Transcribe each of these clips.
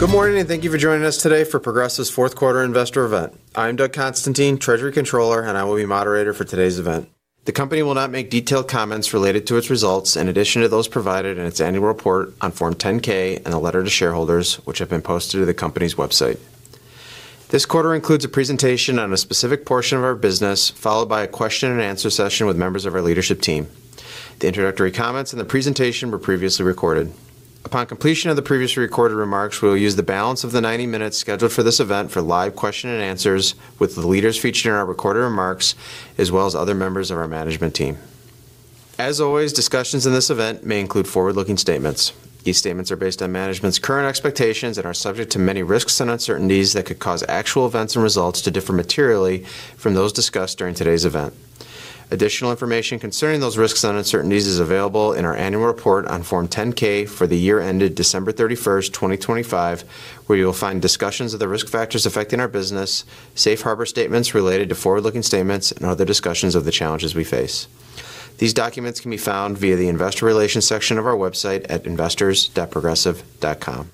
Good morning. Thank you for joining us today for Progressive's 4th quarter investor event. I'm Doug Constantine, treasury controller. I will be moderator for today's event. The company will not make detailed comments related to its results in addition to those provided in its annual report on Form 10-K and the letter to shareholders, which have been posted to the company's website. This quarter includes a presentation on a specific portion of our business, followed by a question and answer session with members of our leadership team. The introductory comments and the presentation were previously recorded. Upon completion of the previously recorded remarks, we will use the balance of the 90 minutes scheduled for this event for live question and answers with the leaders featured in our recorded remarks, as well as other members of our management team. As always, discussions in this event may include forward-looking statements. These statements are based on management's current expectations and are subject to many risks and uncertainties that could cause actual events and results to differ materially from those discussed during today's event. Additional information concerning those risks and uncertainties is available in our annual report on Form 10-K for the year ended December 31, 2023, where you will find discussions of the risk factors affecting our business, safe harbor statements related to forward-looking statements, and other discussions of the challenges we face. These documents can be found via the investor relations section of our website at investors.progressive.com.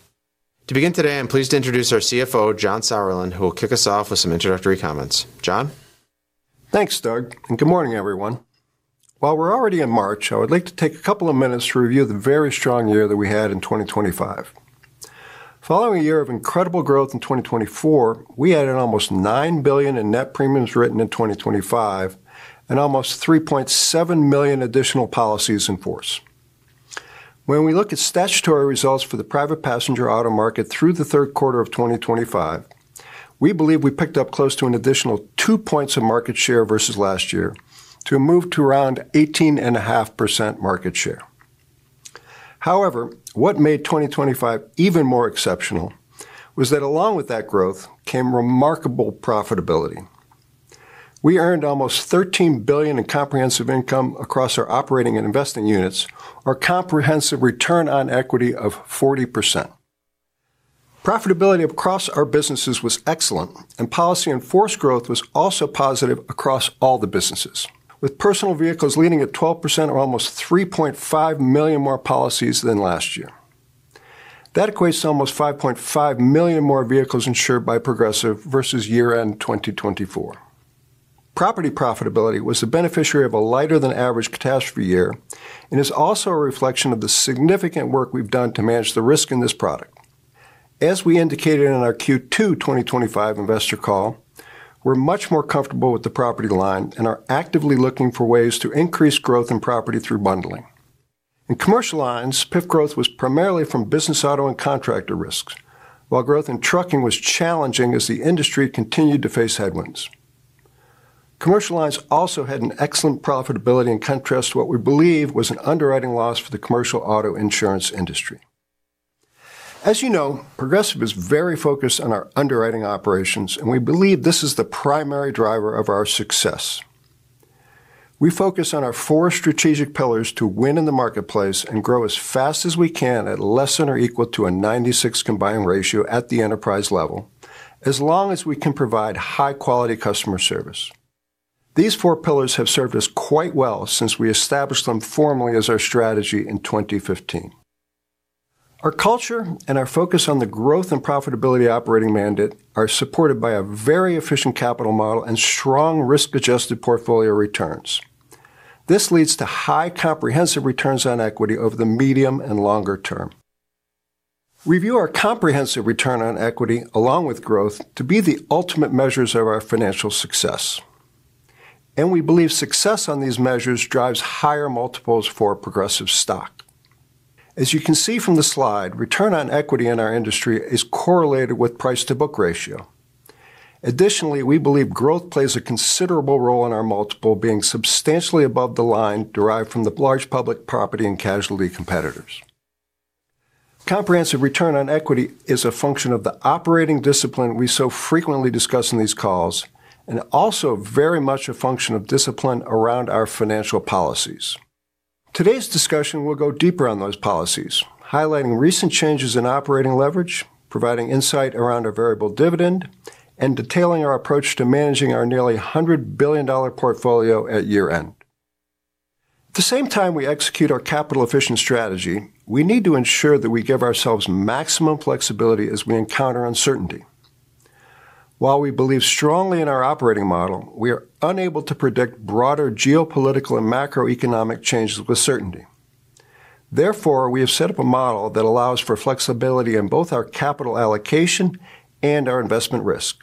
To begin today, I'm pleased to introduce our CFO, John Sauerland, who will kick us off with some introductory comments. John? Thanks, Doug, and good morning, everyone. While we're already in March, I would like to take a couple of minutes to review the very strong year that we had in 2023. Following a year of incredible growth in 2024, we added almost $9 billion in net premiums written in 2023 and almost 3.7 million additional policies in force. When we look at statutory results for the private passenger auto market through the third quarter of 2023, we believe we picked up close to an additional two points of market share versus last year to move to around 18.5% market share. What made 2023 even more exceptional was that along with that growth came remarkable profitability. We earned almost $13 billion in comprehensive income across our operating and investing units, our comprehensive return on equity of 40%. Profitability across our businesses was excellent. Policy in force growth was also positive across all the businesses, with personal vehicles leading at 12% or almost 3.5 million more policies than last year. That equates to almost 5.5 million more vehicles insured by Progressive versus year-end 2024. Property profitability was the beneficiary of a lighter than average catastrophe year. It is also a reflection of the significant work we've done to manage the risk in this product. As we indicated in our Q2 2023 investor call, we're much more comfortable with the property line. We are actively looking for ways to increase growth in property through bundling. In commercial lines, PIF growth was primarily from business auto and contractor risks, while growth in trucking was challenging as the industry continued to face headwinds. Commercial lines also had an excellent profitability in contrast to what we believe was an underwriting loss for the commercial auto insurance industry. As you know, Progressive is very focused on our underwriting operations, and we believe this is the primary driver of our success. We focus on our four strategic pillars to win in the marketplace and grow as fast as we can at less than or equal to a 96 combined ratio at the enterprise level as long as we can provide high-quality customer service. These four pillars have served us quite well since we established them formally as our strategy in 2015. Our culture and our focus on the growth and profitability operating mandate are supported by a very efficient capital model and strong risk-adjusted portfolio returns. This leads to high comprehensive returns on equity over the medium and longer term. We view our comprehensive return on equity along with growth to be the ultimate measures of our financial success. We believe success on these measures drives higher multiples for Progressive stock. As you can see from the slide, return on equity in our industry is correlated with price-to-book ratio. Additionally, we believe growth plays a considerable role in our multiple being substantially above the line derived from the large public property and casualty competitors. Comprehensive return on equity is a function of the operating discipline we so frequently discuss in these calls and also very much a function of discipline around our financial policies. Today's discussion will go deeper on those policies, highlighting recent changes in operating leverage, providing insight around our variable dividend, and detailing our approach to managing our nearly $100 billion portfolio at year-end. At the same time we execute our capital efficient strategy, we need to ensure that we give ourselves maximum flexibility as we encounter uncertainty. While we believe strongly in our operating model, we are unable to predict broader geopolitical and macroeconomic changes with certainty. Therefore, we have set up a model that allows for flexibility in both our capital allocation and our investment risk.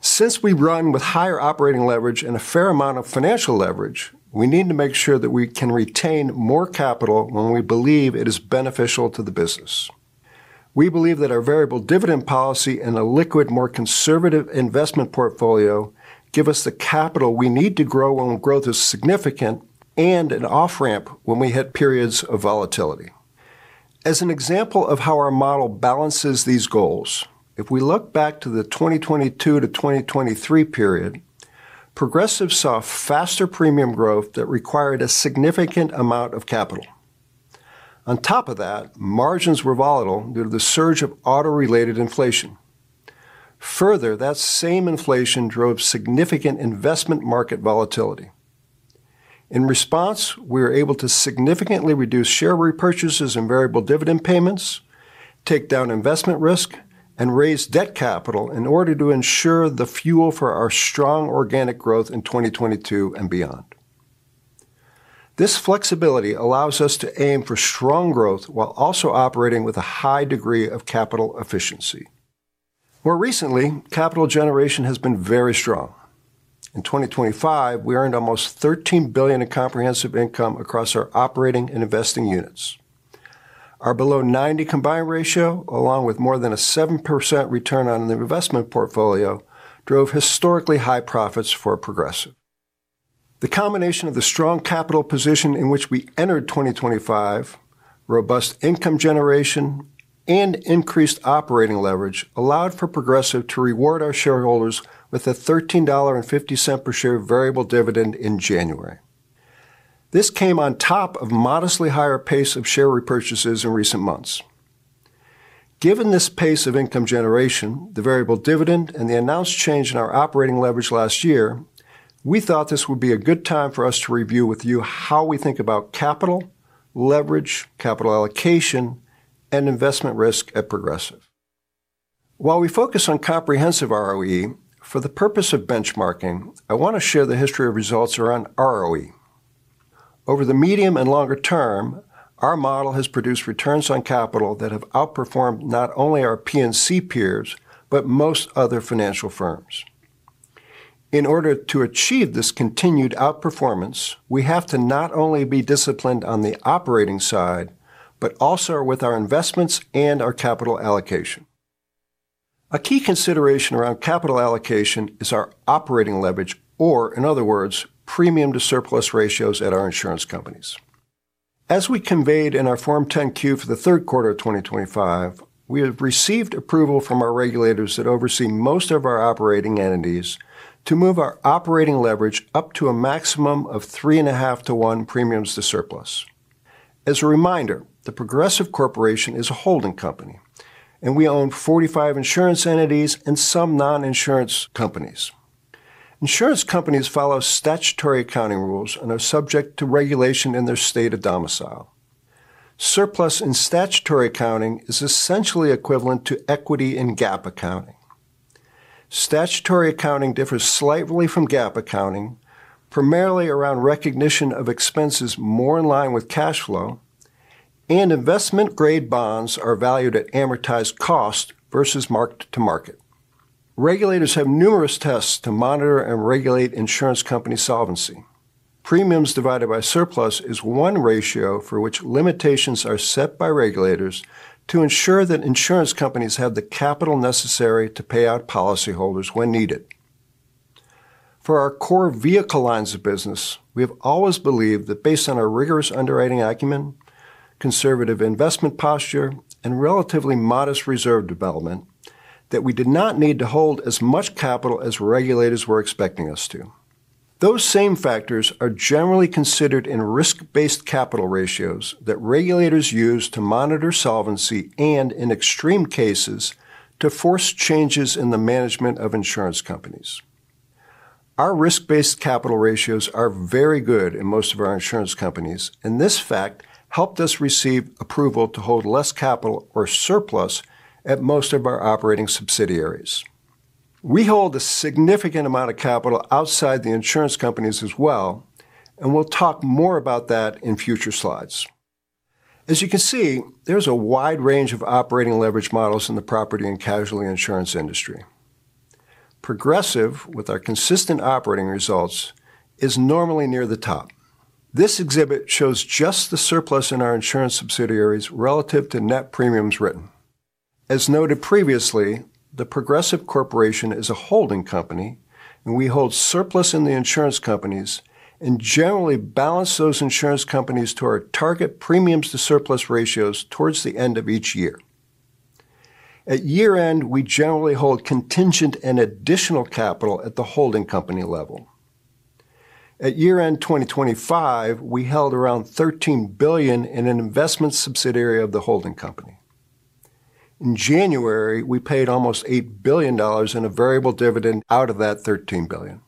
Since we run with higher operating leverage and a fair amount of financial leverage, we need to make sure that we can retain more capital when we believe it is beneficial to the business. We believe that our variable dividend policy and a liquid, more conservative investment portfolio give us the capital we need to grow when growth is significant and an off-ramp when we hit periods of volatility. As an example of how our model balances these goals, if we look back to the 2022 to 2023 period, Progressive saw faster premium growth that required a significant amount of capital. Margins were volatile due to the surge of auto-related inflation. That same inflation drove significant investment market volatility. In response, we were able to significantly reduce share repurchases and variable dividend payments, take down investment risk, and raise debt capital in order to ensure the fuel for our strong organic growth in 2022 and beyond. This flexibility allows us to aim for strong growth while also operating with a high degree of capital efficiency. More recently, capital generation has been very strong. In 2023, we earned almost $13 billion in comprehensive income across our operating and investing units. Our below 90 combined ratio, along with more than a 7% return on the investment portfolio, drove historically high profits for Progressive. The combination of the strong capital position in which we entered 2023, robust income generation, and increased operating leverage allowed for Progressive to reward our shareholders with a $13.50 per share variable dividend in January. This came on top of modestly higher pace of share repurchases in recent months. Given this pace of income generation, the variable dividend, and the announced change in our operating leverage last year, we thought this would be a good time for us to review with you how we think about capital, leverage, capital allocation, and investment risk at Progressive. While we focus on comprehensive ROE, for the purpose of benchmarking, I wanna share the history of results around ROE. Over the medium and longer term, our model has produced returns on capital that have outperformed not only our P&C peers, but most other financial firms. In order to achieve this continued outperformance, we have to not only be disciplined on the operating side, but also with our investments and our capital allocation. A key consideration around capital allocation is our operating leverage, or in other words, premium to surplus ratios at our insurance companies. As we conveyed in our Form 10-Q for the third quarter of 2023, we have received approval from our regulators that oversee most of our operating entities to move our operating leverage up to a maximum of 3.5 to 1 premiums to surplus. As a reminder, The Progressive Corporation is a holding company, and we own 45 insurance entities and some non-insurance companies. Insurance companies follow statutory accounting rules and are subject to regulation in their state of domicile. Surplus in statutory accounting is essentially equivalent to equity in GAAP accounting. Statutory accounting differs slightly from GAAP accounting, primarily around recognition of expenses more in line with cash flow, and investment-grade bonds are valued at amortized cost versus market to market. Regulators have numerous tests to monitor and regulate insurance company solvency. Premiums divided by surplus is one ratio for which limitations are set by regulators to ensure that insurance companies have the capital necessary to pay out policyholders when needed. For our core vehicle lines of business, we have always believed that based on our rigorous underwriting acumen, conservative investment posture, and relatively modest reserve development, that we did not need to hold as much capital as regulators were expecting us to. Those same factors are generally considered in risk-based capital ratios that regulators use to monitor solvency and in extreme cases, to force changes in the management of insurance companies. Our risk-based capital ratios are very good in most of our insurance companies, this fact helped us receive approval to hold less capital or surplus at most of our operating subsidiaries. We'll talk more about that in future slides. As you can see, there's a wide range of operating leverage models in the property and casualty insurance industry. Progressive, with our consistent operating results, is normally near the top. This exhibit shows just the surplus in our insurance subsidiaries relative to net premiums written. As noted previously, The Progressive Corporation is a holding company, and we hold surplus in the insurance companies and generally balance those insurance companies to our target premiums to surplus ratios towards the end of each year. At year-end, we generally hold contingent and additional capital at the holding company level. At year-end 2023, we held around $13 billion in an investment subsidiary of the holding company. In January, we paid almost $8 billion in a variable dividend out of that $13 billion.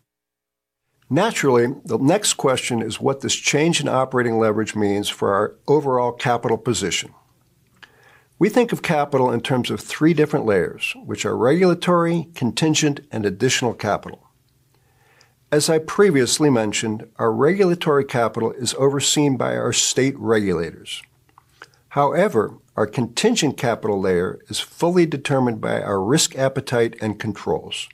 The next question is what this change in operating leverage means for our overall capital position. We think of capital in terms of three different layers, which are regulatory, contingent, and additional capital. As I previously mentioned, our regulatory capital is overseen by our state regulators. Our contingent capital layer is fully determined by our risk appetite and controls.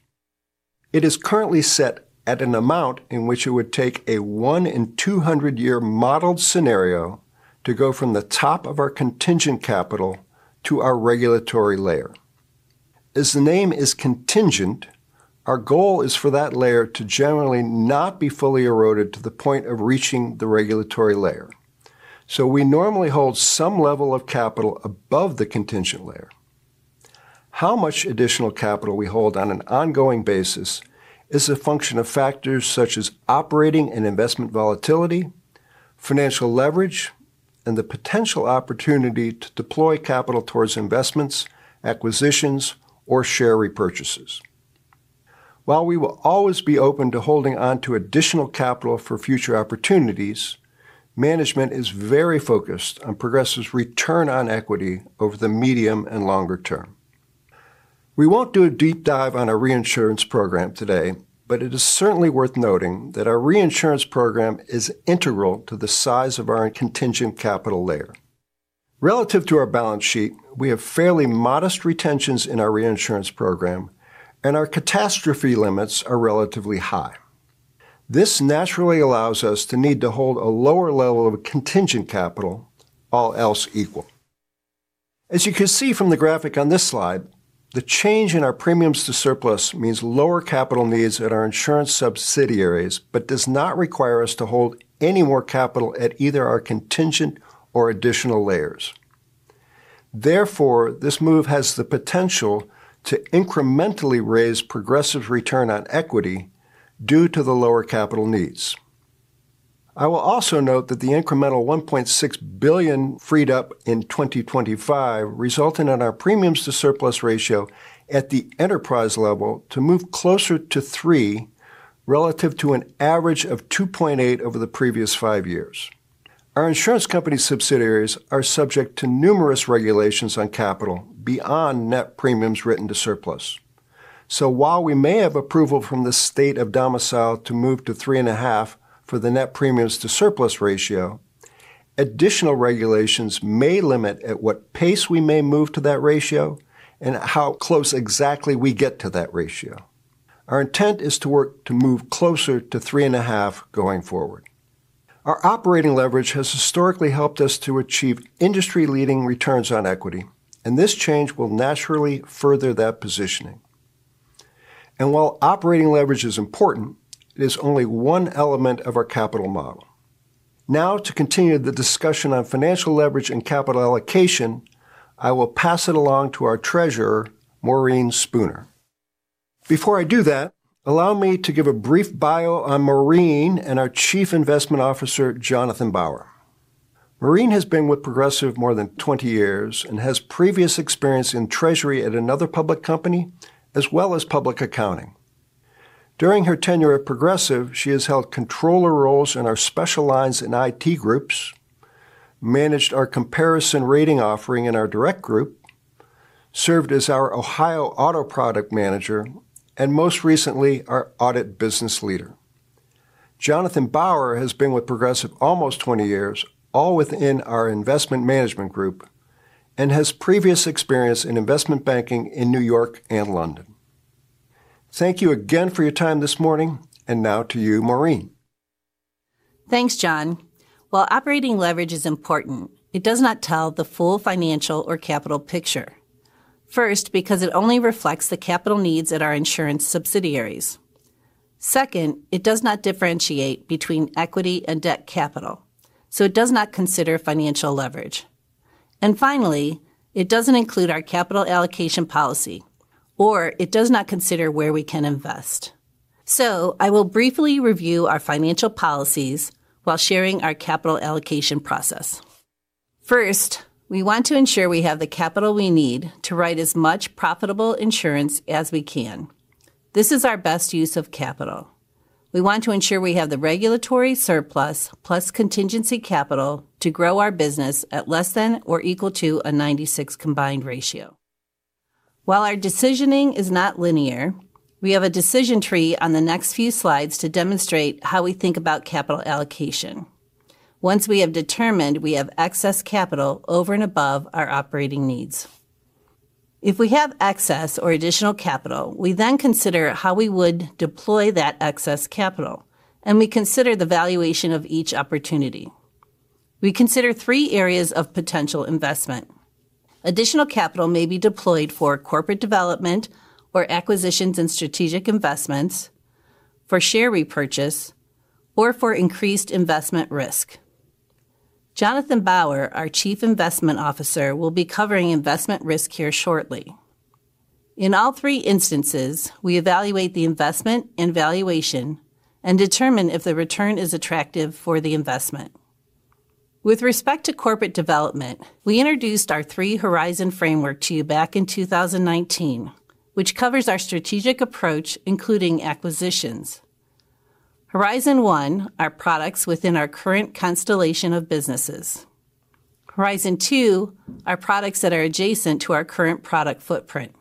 It is currently set at an amount in which it would take a 1 in 200 year modeled scenario to go from the top of our contingent capital to our regulatory layer. As the name is contingent, our goal is for that layer to generally not be fully eroded to the point of reaching the regulatory layer. We normally hold some level of capital above the contingent layer. How much additional capital we hold on an ongoing basis is a function of factors such as operating and investment volatility, financial leverage, and the potential opportunity to deploy capital towards investments, acquisitions, or share repurchases. While we will always be open to holding onto additional capital for future opportunities, management is very focused on Progressive's return on equity over the medium and longer term. We won't do a deep dive on our reinsurance program today, but it is certainly worth noting that our reinsurance program is integral to the size of our contingent capital layer. Relative to our balance sheet, we have fairly modest retentions in our reinsurance program, and our catastrophe limits are relatively high. This naturally allows us to need to hold a lower level of contingent capital, all else equal. As you can see from the graphic on this slide, the change in our premiums to surplus means lower capital needs at our insurance subsidiaries, but does not require us to hold any more capital at either our contingent or additional layers. Therefore, this move has the potential to incrementally raise Progressive's return on equity due to the lower capital needs. I will also note that the incremental $1.6 billion freed up in 2023 resulted in our premiums to surplus ratio at the enterprise level to move closer to 3 relative to an average of 2.8 over the previous five years. Our insurance company subsidiaries are subject to numerous regulations on capital beyond net premiums written to surplus. While we may have approval from the state of domicile to move to 3.5 for the net premiums to surplus ratio, additional regulations may limit at what pace we may move to that ratio and how close exactly we get to that ratio. Our intent is to work to move closer to 3.5 going forward. Our operating leverage has historically helped us to achieve industry-leading returns on equity. This change will naturally further that positioning. While operating leverage is important, it is only one element of our capital model. To continue the discussion on financial leverage and capital allocation, I will pass it along to our Treasurer, Maureen Spooner. Before I do that, allow me to give a brief bio on Maureen and our Chief Investment Officer, Jonathan Bauer. Maureen has been with Progressive more than 20 years and has previous experience in treasury at another public company, as well as public accounting. During her tenure at Progressive, she has held controller roles in our special lines in IT groups, managed our comparison rating offering in our direct group, served as our Ohio Auto product manager, and most recently, our audit business leader. Jonathan Bauer has been with Progressive almost 20 years, all within our investment management group, and has previous experience in investment banking in New York and London. Thank you again for your time this morning. Now to you, Maureen. Thanks, John. While operating leverage is important, it does not tell the full financial or capital picture. First, because it only reflects the capital needs at our insurance subsidiaries. Second, it does not differentiate between equity and debt capital, so it does not consider financial leverage. Finally, it doesn't include our capital allocation policy, or it does not consider where we can invest. I will briefly review our financial policies while sharing our capital allocation process. First, we want to ensure we have the capital we need to write as much profitable insurance as we can. This is our best use of capital. We want to ensure we have the regulatory surplus plus contingency capital to grow our business at less than or equal to a 96 combined ratio. While our decisioning is not linear, we have a decision tree on the next few slides to demonstrate how we think about capital allocation once we have determined we have excess capital over and above our operating needs. If we have excess or additional capital, we then consider how we would deploy that excess capital, and we consider the valuation of each opportunity. We consider three areas of potential investment. Additional capital may be deployed for corporate development or acquisitions and strategic investments, for share repurchase, or for increased investment risk. Jonathan Bauer, our Chief Investment Officer, will be covering investment risk here shortly. In all three instances, we evaluate the investment and valuation and determine if the return is attractive for the investment. With respect to corporate development, we introduced our Three Horizons Framework to you back in 2019, which covers our strategic approach, including acquisitions. Horizon one, our products within our current constellation of businesses. Horizon two are products that are adjacent to our current product footprint.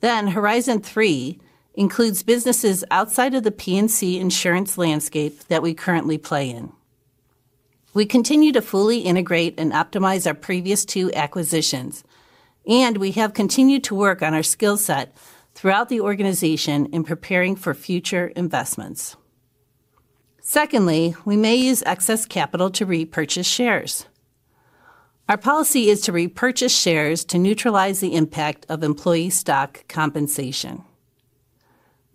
Horizon three includes businesses outside of the P&C insurance landscape that we currently play in. We continue to fully integrate and optimize our previous two acquisitions. We have continued to work on our skill set throughout the organization in preparing for future investments. Secondly, we may use excess capital to repurchase shares. Our policy is to repurchase shares to neutralize the impact of employee stock compensation.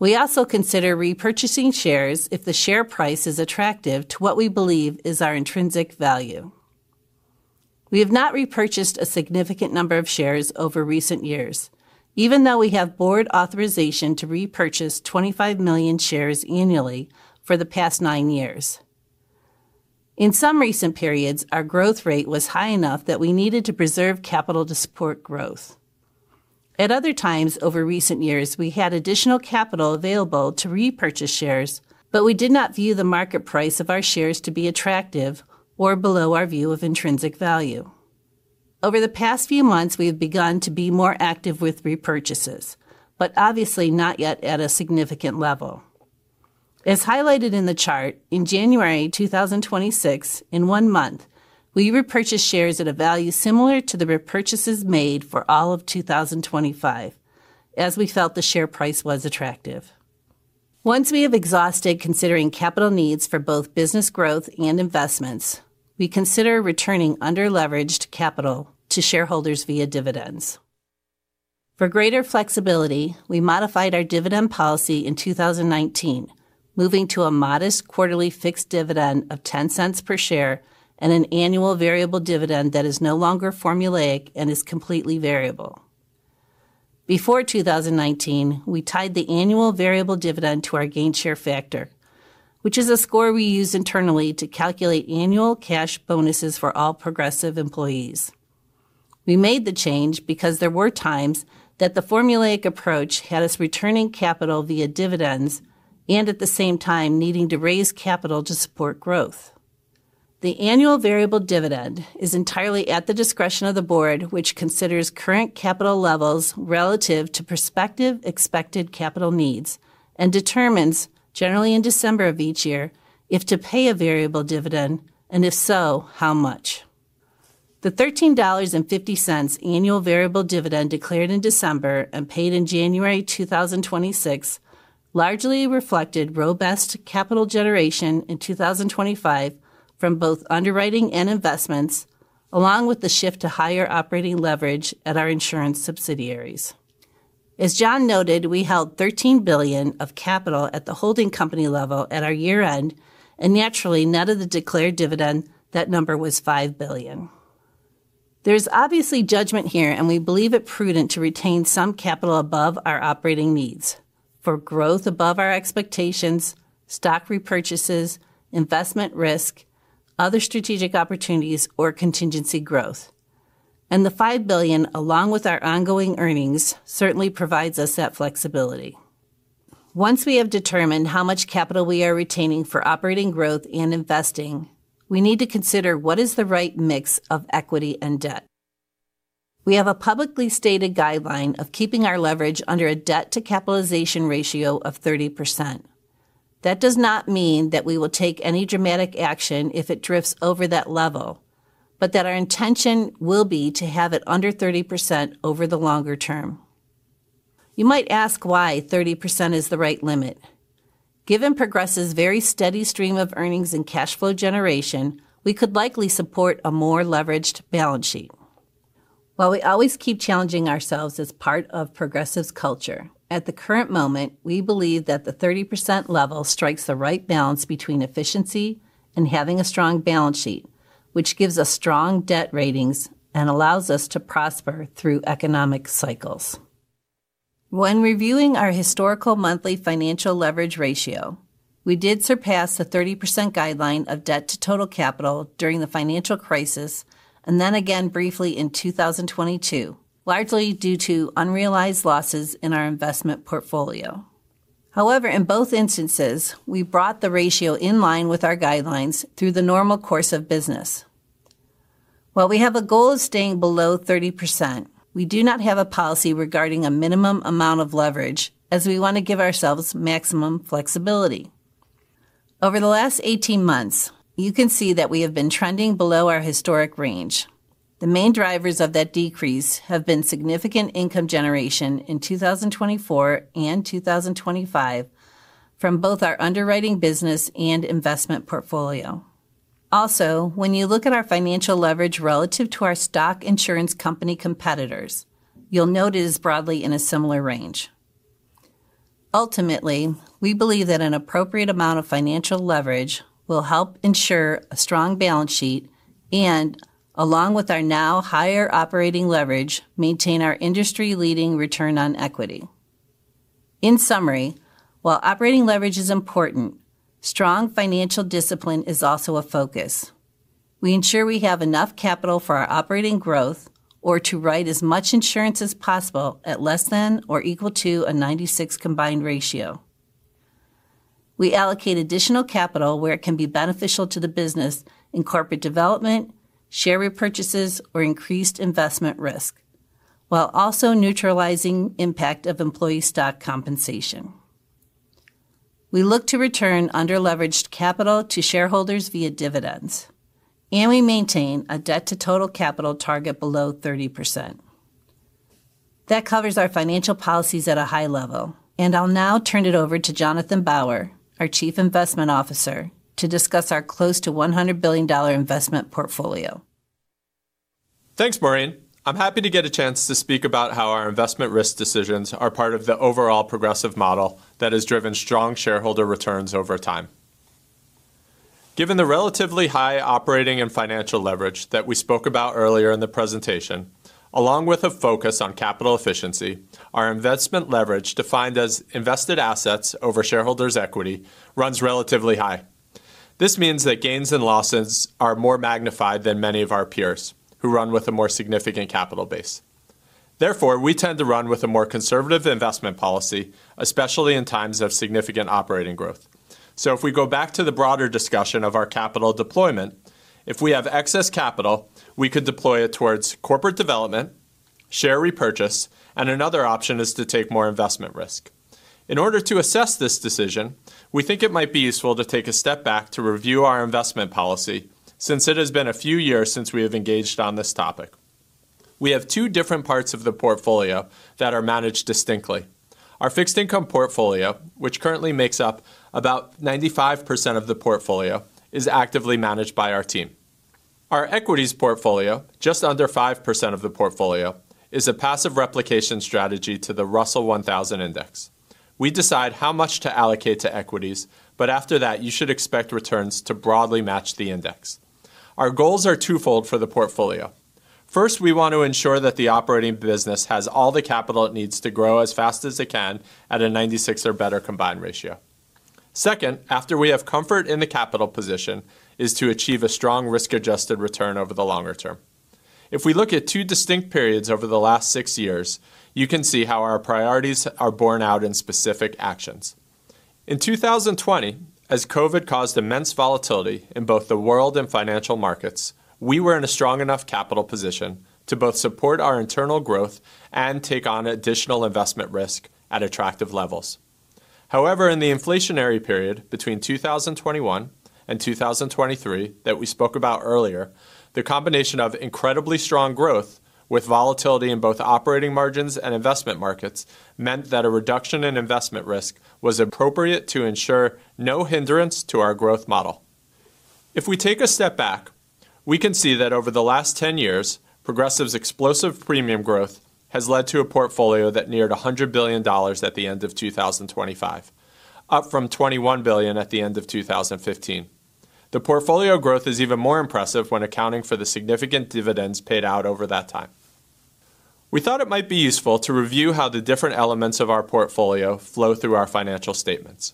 We also consider repurchasing shares if the share price is attractive to what we believe is our intrinsic value. We have not repurchased a significant number of shares over recent years, even though we have board authorization to repurchase 25 million shares annually for the past nine years. In some recent periods, our growth rate was high enough that we needed to preserve capital to support growth. At other times, over recent years, we had additional capital available to repurchase shares, but we did not view the market price of our shares to be attractive or below our view of intrinsic value. Over the past few months, we have begun to be more active with repurchases, but obviously not yet at a significant level. As highlighted in the chart, in January 2024, in one month, we repurchased shares at a value similar to the repurchases made for all of 2023, as we felt the share price was attractive. Once we have exhausted considering capital needs for both business growth and investments, we consider returning under-leveraged capital to shareholders via dividends. For greater flexibility, we modified our dividend policy in 2019, moving to a modest quarterly fixed dividend of $0.10 per share and an annual variable dividend that is no longer formulaic and is completely variable. Before 2019, we tied the annual variable dividend to our gain share factor, which is a score we use internally to calculate annual cash bonuses for all Progressive employees. We made the change because there were times that the formulaic approach had us returning capital via dividends and at the same time needing to raise capital to support growth. The annual variable dividend is entirely at the discretion of the board, which considers current capital levels relative to prospective expected capital needs and determines, generally in December of each year, if to pay a variable dividend, and if so, how much. The $13.50 annual variable dividend declared in December and paid in January 2024 largely reflected robust capital generation in 2023 from both underwriting and investments, along with the shift to higher operating leverage at our insurance subsidiaries. As John noted, we held $13 billion of capital at the holding company level at our year-end, naturally, net of the declared dividend, that number was $5 billion. There's obviously judgment here, we believe it prudent to retain some capital above our operating needs for growth above our expectations, stock repurchases, investment risk, other strategic opportunities, or contingency growth. The $5 billion, along with our ongoing earnings, certainly provides us that flexibility. Once we have determined how much capital we are retaining for operating growth and investing, we need to consider what is the right mix of equity and debt. We have a publicly stated guideline of keeping our leverage under a debt-to-capitalization ratio of 30%. That does not mean that we will take any dramatic action if it drifts over that level, but that our intention will be to have it under 30% over the longer term. You might ask why 30% is the right limit. Given Progressive's very steady stream of earnings and cash flow generation, we could likely support a more leveraged balance sheet. While we always keep challenging ourselves as part of Progressive's culture, at the current moment, we believe that the 30% level strikes the right balance between efficiency and having a strong balance sheet, which gives us strong debt ratings and allows us to prosper through economic cycles. When reviewing our historical monthly financial leverage ratio, we did surpass the 30% guideline of debt to total capital during the financial crisis, and then again briefly in 2022, largely due to unrealized losses in our investment portfolio. In both instances, we brought the ratio in line with our guidelines through the normal course of business. While we have a goal of staying below 30%, we do not have a policy regarding a minimum amount of leverage as we want to give ourselves maximum flexibility. Over the last 18 months, you can see that we have been trending below our historic range. The main drivers of that decrease have been significant income generation in 2024 and 2023 from both our underwriting business and investment portfolio. When you look at our financial leverage relative to our stock insurance company competitors, you'll note it is broadly in a similar range. We believe that an appropriate amount of financial leverage will help ensure a strong balance sheet and, along with our now higher operating leverage, maintain our industry-leading return on equity. While operating leverage is important, strong financial discipline is also a focus. We ensure we have enough capital for our operating growth or to write as much insurance as possible at less than or equal to a 96 combined ratio. We allocate additional capital where it can be beneficial to the business in corporate development, share repurchases, or increased investment risk, while also neutralizing impact of employee stock compensation. We look to return under-leveraged capital to shareholders via dividends, we maintain a debt-to-total capital target below 30%. That covers our financial policies at a high level, I'll now turn it over to Jonathan Bauer, our Chief Investment Officer, to discuss our close to $100 billion investment portfolio. Thanks, Maureen. I'm happy to get a chance to speak about how our investment risk decisions are part of the overall Progressive model that has driven strong shareholder returns over time. Given the relatively high operating and financial leverage that we spoke about earlier in the presentation, along with a focus on capital efficiency, our investment leverage, defined as invested assets over shareholders' equity, runs relatively high. This means that gains and losses are more magnified than many of our peers who run with a more significant capital base. Therefore, we tend to run with a more conservative investment policy, especially in times of significant operating growth. If we go back to the broader discussion of our capital deployment, if we have excess capital, we could deploy it towards corporate development, share repurchase, and another option is to take more investment risk. In order to assess this decision, we think it might be useful to take a step back to review our investment policy since it has been a few years since we have engaged on this topic. We have two different parts of the portfolio that are managed distinctly. Our fixed income portfolio, which currently makes up about 95% of the portfolio, is actively managed by our team. Our equities portfolio, just under 5% of the portfolio, is a passive replication strategy to the Russell 1000 Index. We decide how much to allocate to equities, but after that, you should expect returns to broadly match the index. Our goals are twofold for the portfolio. First, we want to ensure that the operating business has all the capital it needs to grow as fast as it can at a 96 or better combined ratio. Second, after we have comfort in the capital position, is to achieve a strong risk-adjusted return over the longer term. If we look at two distinct periods over the last six years, you can see how our priorities are borne out in specific actions. In 2020, as COVID caused immense volatility in both the world and financial markets, we were in a strong enough capital position to both support our internal growth and take on additional investment risk at attractive levels. However, in the inflationary period between 2021 and 2023 that we spoke about earlier, the combination of incredibly strong growth with volatility in both operating margins and investment markets meant that a reduction in investment risk was appropriate to ensure no hindrance to our growth model. If we take a step back, we can see that over the last 10 years, Progressive's explosive premium growth has led to a portfolio that neared $100 billion at the end of 2023, up from $21 billion at the end of 2015. The portfolio growth is even more impressive when accounting for the significant dividends paid out over that time. We thought it might be useful to review how the different elements of our portfolio flow through our financial statements.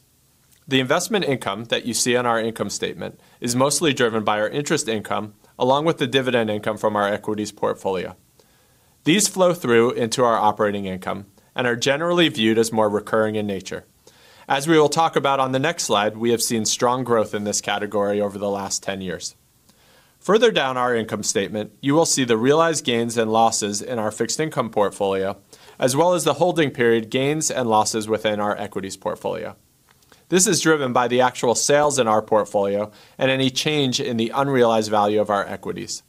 The investment income that you see on our income statement is mostly driven by our interest income, along with the dividend income from our equities portfolio. These flow through into our operating income and are generally viewed as more recurring in nature. As we will talk about on the next slide, we have seen strong growth in this category over the last 10 years. Further down our income statement, you will see the realized gains and losses in our fixed income portfolio, as well as the holding period gains and losses within our equities portfolio. This is driven by the actual sales in our portfolio and any change in the unrealized value of our equities.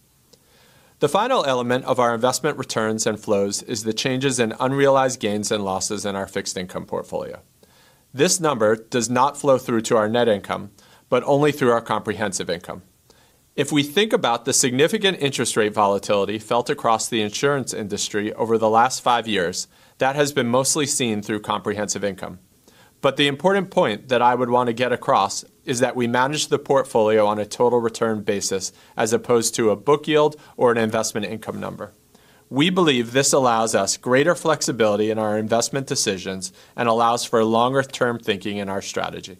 The final element of our investment returns and flows is the changes in unrealized gains and losses in our fixed income portfolio. This number does not flow through to our net income, but only through our comprehensive income. If we think about the significant interest rate volatility felt across the insurance industry over the last 5 years, that has been mostly seen through comprehensive income. The important point that I would want to get across is that we manage the portfolio on a total return basis as opposed to a book yield or an investment income number. We believe this allows us greater flexibility in our investment decisions and allows for longer-term thinking in our strategy.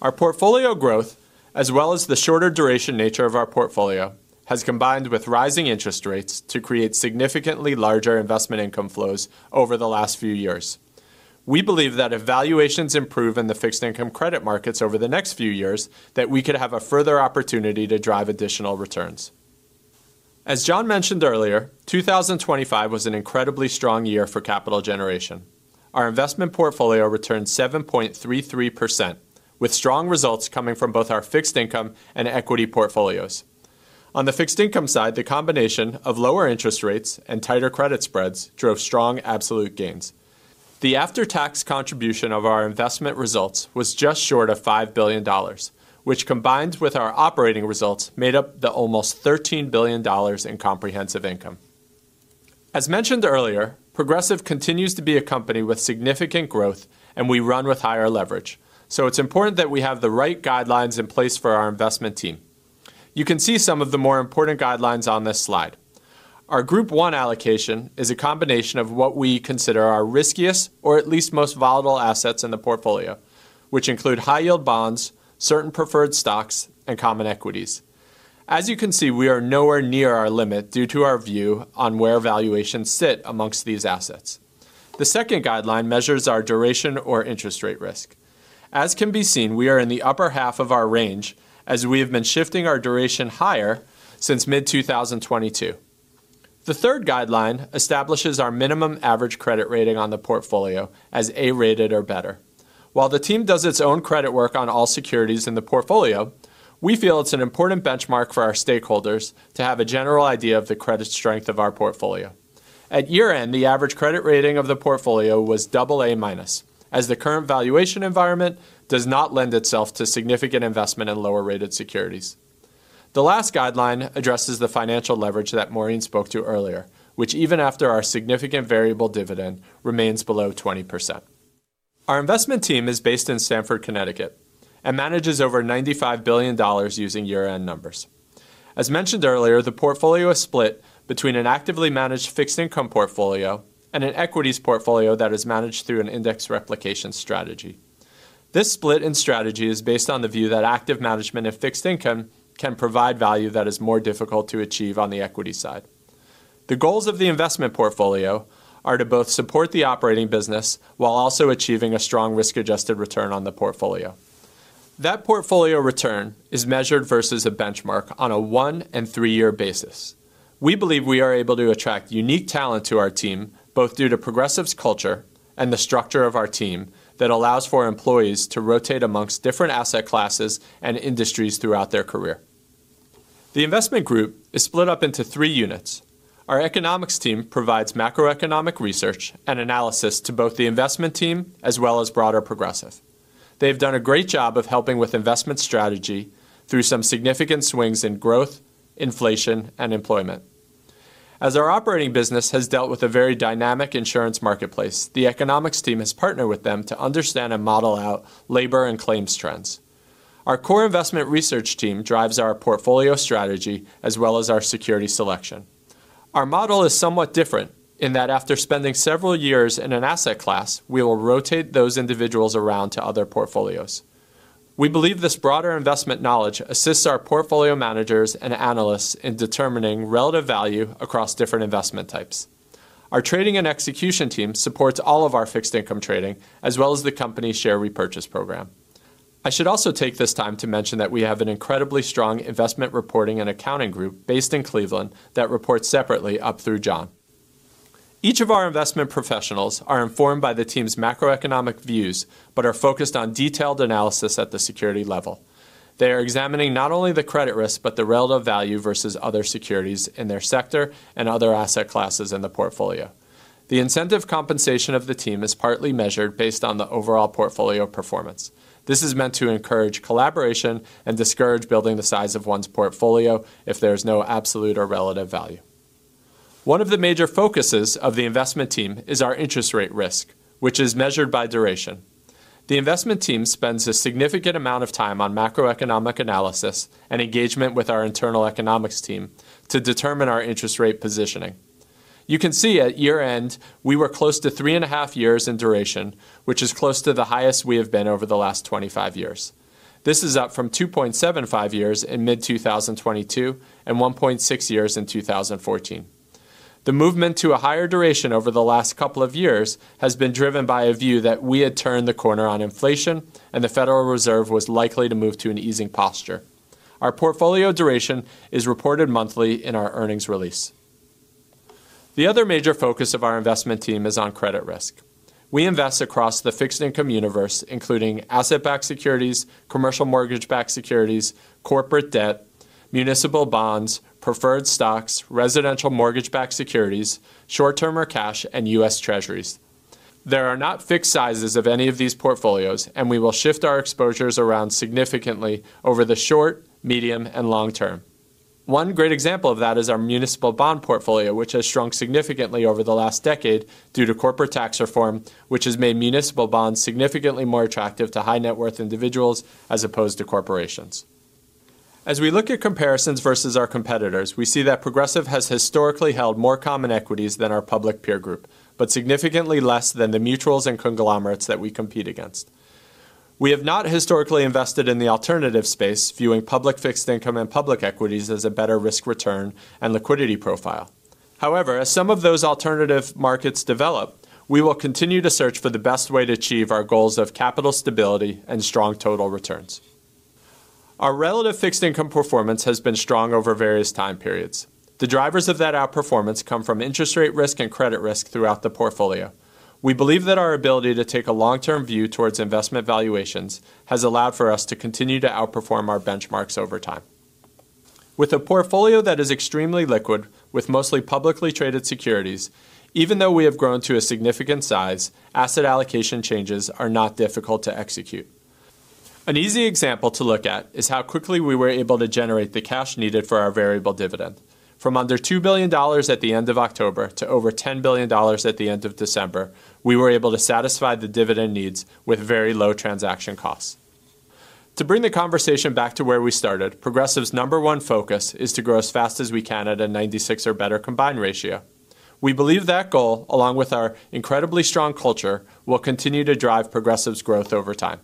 Our portfolio growth, as well as the shorter duration nature of our portfolio, has combined with rising interest rates to create significantly larger investment income flows over the last few years. We believe that if valuations improve in the fixed income credit markets over the next few years, that we could have a further opportunity to drive additional returns. As John mentioned earlier, 2023 was an incredibly strong year for capital generation. Our investment portfolio returned 7.33%, with strong results coming from both our fixed income and equity portfolios. On the fixed income side, the combination of lower interest rates and tighter credit spreads drove strong absolute gains. The after-tax contribution of our investment results was just short of $5 billion, which, combined with our operating results, made up the almost $13 billion in comprehensive income. As mentioned earlier, Progressive continues to be a company with significant growth, and we run with higher leverage. It's important that we have the right guidelines in place for our investment team. You can see some of the more important guidelines on this slide. Our Group one allocation is a combination of what we consider our riskiest or at least most volatile assets in the portfolio, which include high yield bonds, certain preferred stocks, and common equities. As you can see, we are nowhere near our limit due to our view on where valuations sit amongst these assets. The second guideline measures our duration or interest rate risk. As can be seen, we are in the upper half of our range as we have been shifting our duration higher since mid-2022. The third guideline establishes our minimum average credit rating on the portfolio as A-rated or better. While the team does its own credit work on all securities in the portfolio, we feel it's an important benchmark for our stakeholders to have a general idea of the credit strength of our portfolio. At year-end, the average credit rating of the portfolio was double A-minus, as the current valuation environment does not lend itself to significant investment in lower-rated securities. The last guideline addresses the financial leverage that Maureen spoke to earlier, which even after our significant variable dividend, remains below 20%. Our investment team is based in Stamford, Connecticut, and manages over $95 billion using year-end numbers. As mentioned earlier, the portfolio is split between an actively managed fixed income portfolio and an equities portfolio that is managed through an index replication strategy. This split in strategy is based on the view that active management of fixed income can provide value that is more difficult to achieve on the equity side. The goals of the investment portfolio are to both support the operating business while also achieving a strong risk-adjusted return on the portfolio. That portfolio return is measured versus a benchmark on a 1 and 3-year basis. We believe we are able to attract unique talent to our team, both due to Progressive's culture and the structure of our team that allows for employees to rotate amongst different asset classes and industries throughout their career. The investment group is split up into three units. Our economics team provides macroeconomic research and analysis to both the investment team as well as broader Progressive. They've done a great job of helping with investment strategy through some significant swings in growth, inflation, and employment. Our operating business has dealt with a very dynamic insurance marketplace, the economics team has partnered with them to understand and model out labor and claims trends. Our core investment research team drives our portfolio strategy as well as our security selection. Our model is somewhat different in that after spending several years in an asset class, we will rotate those individuals around to other portfolios. We believe this broader investment knowledge assists our portfolio managers and analysts in determining relative value across different investment types. Our trading and execution team supports all of our fixed income trading, as well as the company share repurchase program. I should also take this time to mention that we have an incredibly strong investment reporting and accounting group based in Cleveland that reports separately up through John. Each of our investment professionals are informed by the team's macroeconomic views but are focused on detailed analysis at the security level. They are examining not only the credit risk, but the relative value versus other securities in their sector and other asset classes in the portfolio. The incentive compensation of the team is partly measured based on the overall portfolio performance. This is meant to encourage collaboration and discourage building the size of one's portfolio if there's no absolute or relative value. One of the major focuses of the investment team is our interest rate risk, which is measured by duration. The investment team spends a significant amount of time on macroeconomic analysis and engagement with our internal economics team to determine our interest rate positioning. You can see at year-end, we were close to 3.5 years in duration, which is close to the highest we have been over the last 25 years. This is up from 2.75 years in mid 2022 and 1.6 years in 2014. The movement to a higher duration over the last couple of years has been driven by a view that we had turned the corner on inflation and the Federal Reserve was likely to move to an easing posture. Our portfolio duration is reported monthly in our earnings release. The other major focus of our investment team is on credit risk. We invest across the fixed income universe, including asset-backed securities, commercial mortgage-backed securities, corporate debt, municipal bonds, preferred stocks, residential mortgage-backed securities, short-term or cash, and US Treasuries. There are not fixed sizes of any of these portfolios, and we will shift our exposures around significantly over the short, medium, and long term. One great example of that is our municipal bond portfolio, which has shrunk significantly over the last decade due to corporate tax reform, which has made municipal bonds significantly more attractive to high net worth individuals as opposed to corporations. As we look at comparisons versus our competitors, we see that Progressive has historically held more common equities than our public peer group, but significantly less than the mutuals and conglomerates that we compete against. We have not historically invested in the alternative space, viewing public fixed income and public equities as a better risk return and liquidity profile. As some of those alternative markets develop, we will continue to search for the best way to achieve our goals of capital stability and strong total returns. Our relative fixed income performance has been strong over various time periods. The drivers of that outperformance come from interest rate risk and credit risk throughout the portfolio. We believe that our ability to take a long-term view towards investment valuations has allowed for us to continue to outperform our benchmarks over time. With a portfolio that is extremely liquid with mostly publicly traded securities, even though we have grown to a significant size, asset allocation changes are not difficult to execute. An easy example to look at is how quickly we were able to generate the cash needed for our variable dividend. From under $2 billion at the end of October to over $10 billion at the end of December, we were able to satisfy the dividend needs with very low transaction costs. To bring the conversation back to where we started, Progressive's number 1 focus is to grow as fast as we can at a 96 or better combined ratio. We believe that goal, along with our incredibly strong culture, will continue to drive Progressive's growth over time.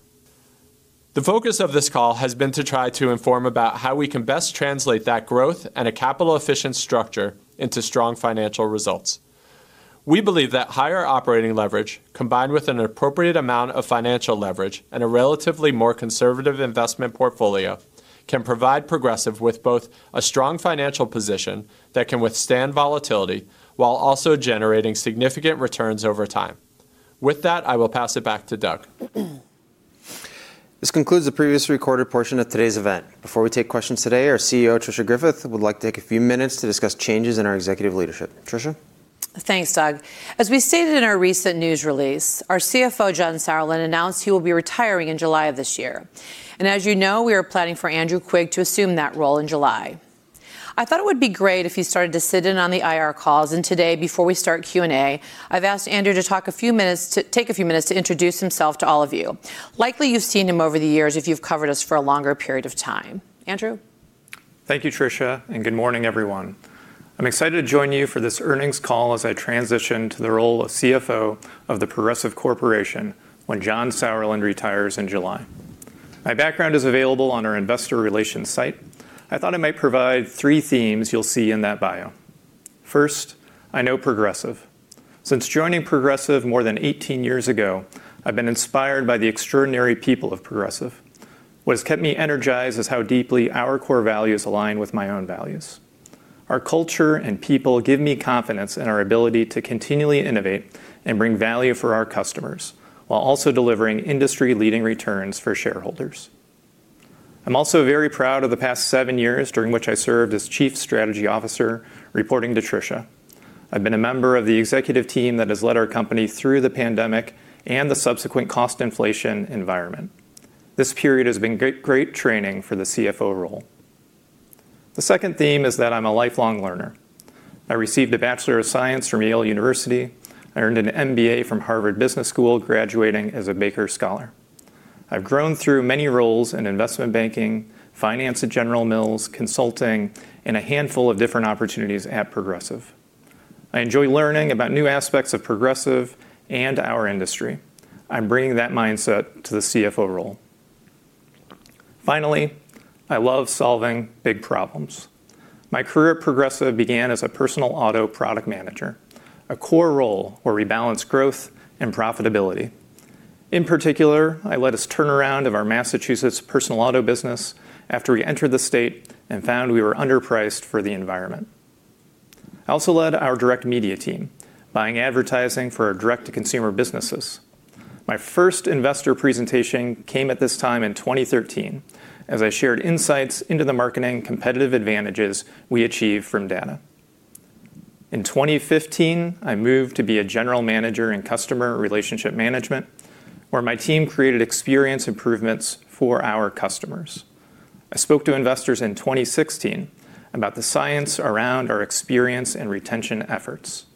The focus of this call has been to try to inform about how we can best translate that growth and a capital efficient structure into strong financial results. We believe that higher operating leverage, combined with an appropriate amount of financial leverage and a relatively more conservative investment portfolio, can provide Progressive with both a strong financial position that can withstand volatility while also generating significant returns over time. With that, I will pass it back to Doug. This concludes the previously recorded portion of today's event. Before we take questions today, our CEO, Tricia Griffith, would like to take a few minutes to discuss changes in our executive leadership. Tricia? Thanks, Doug. As we stated in our recent news release, our CFO, John Sauerland, announced he will be retiring in July of this year. As you know, we are planning for Andrew Quigg to assume that role in July. I thought it would be great if he started to sit in on the IR calls. Today, before we start Q&A, I've asked Andrew to take a few minutes to introduce himself to all of you. Likely, you've seen him over the years if you've covered us for a longer period of time. Andrew. Thank you, Tricia, and good morning, everyone. I'm excited to join you for this earnings call as I transition to the role of CFO of The Progressive Corporation when John Sauerland retires in July. My background is available on our investor relations site. I thought I might provide three themes you'll see in that bio. First, I know Progressive. Since joining Progressive more than 18 years ago, I've been inspired by the extraordinary people of Progressive. What has kept me energized is how deeply our core values align with my own values. Our culture and people give me confidence in our ability to continually innovate and bring value for our customers while also delivering industry-leading returns for shareholders. I'm also very proud of the past 7 years during which I served as Chief Strategy Officer, reporting to Tricia. I've been a member of the executive team that has led our company through the pandemic and the subsequent cost inflation environment. This period has been great training for the CFO role. The second theme is that I'm a lifelong learner. I received a Bachelor of Science from Yale University. I earned an MBA from Harvard Business School, graduating as a Baker Scholar. I've grown through many roles in investment banking, finance at General Mills, consulting, and a handful of different opportunities at Progressive. I enjoy learning about new aspects of Progressive and our industry. I'm bringing that mindset to the CFO role. Finally, I love solving big problems. My career at Progressive began as a personal auto product manager, a core role where we balance growth and profitability. In particular, I led a turnaround of our Massachusetts personal auto business after we entered the state and found we were underpriced for the environment. I also led our direct media team, buying advertising for our direct-to-consumer businesses. My first investor presentation came at this time in 2013 as I shared insights into the marketing competitive advantages we achieve from data. In 2015, I moved to be a general manager in customer relationship management, where my team created experience improvements for our customers. I spoke to investors in 2016 about the science around our experience and retention efforts.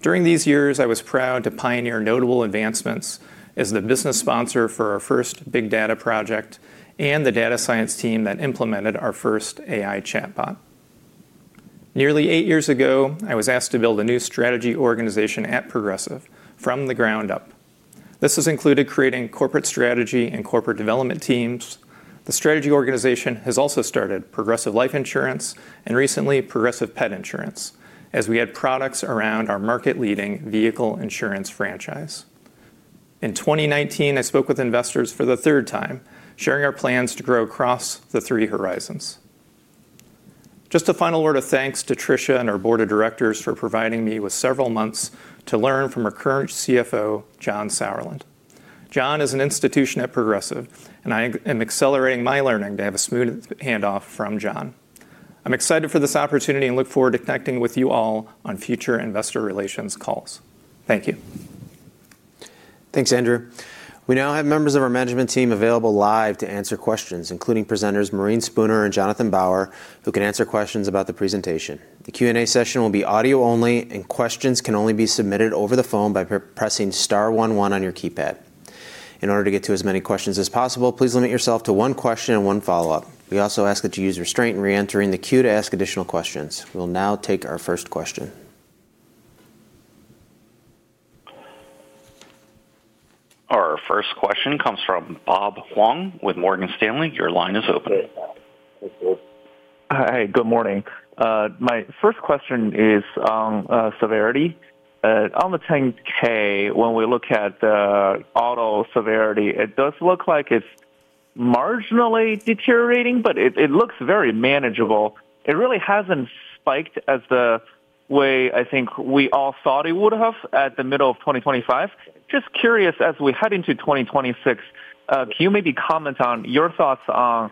During these years, I was proud to pioneer notable advancements as the business sponsor for our first big data project and the data science team that implemented our first AI chatbot. Nearly 8 years ago, I was asked to build a new strategy organization at Progressive from the ground up. This has included creating corporate strategy and corporate development teams. The strategy organization has also started Progressive Life Insurance and recently Progressive Pet Insurance as we add products around our market-leading vehicle insurance franchise. In 2019, I spoke with investors for the third time, sharing our plans to grow across the Three Horizons. Just a final word of thanks to Tricia and our board of directors for providing me with several months to learn from our current CFO, John Sauerland. John is an institution at Progressive. I am accelerating my learning to have a smooth handoff from John. I'm excited for this opportunity and look forward to connecting with you all on future investor relations calls. Thank you. Thanks, Andrew. We now have members of our management team available live to answer questions, including presenters Maureen Spooner and Jonathan Bauer, who can answer questions about the presentation. The Q&A session will be audio only, and questions can only be submitted over the phone by pressing star one one on your keypad. In order to get to as many questions as possible, please limit yourself to one question and one follow-up. We also ask that you use restraint in reentering the queue to ask additional questions. We will now take our first question. Our first question comes from Bob Huang with Morgan Stanley. Your line is open. Hi, good morning. My first question is on severity. On the 10-K, when we look at auto severity, it does look like it's marginally deteriorating, but it looks very manageable. It really hasn't spiked as the way I think we all thought it would have at the middle of 2023. Just curious, as we head into 2024, can you maybe comment on your thoughts on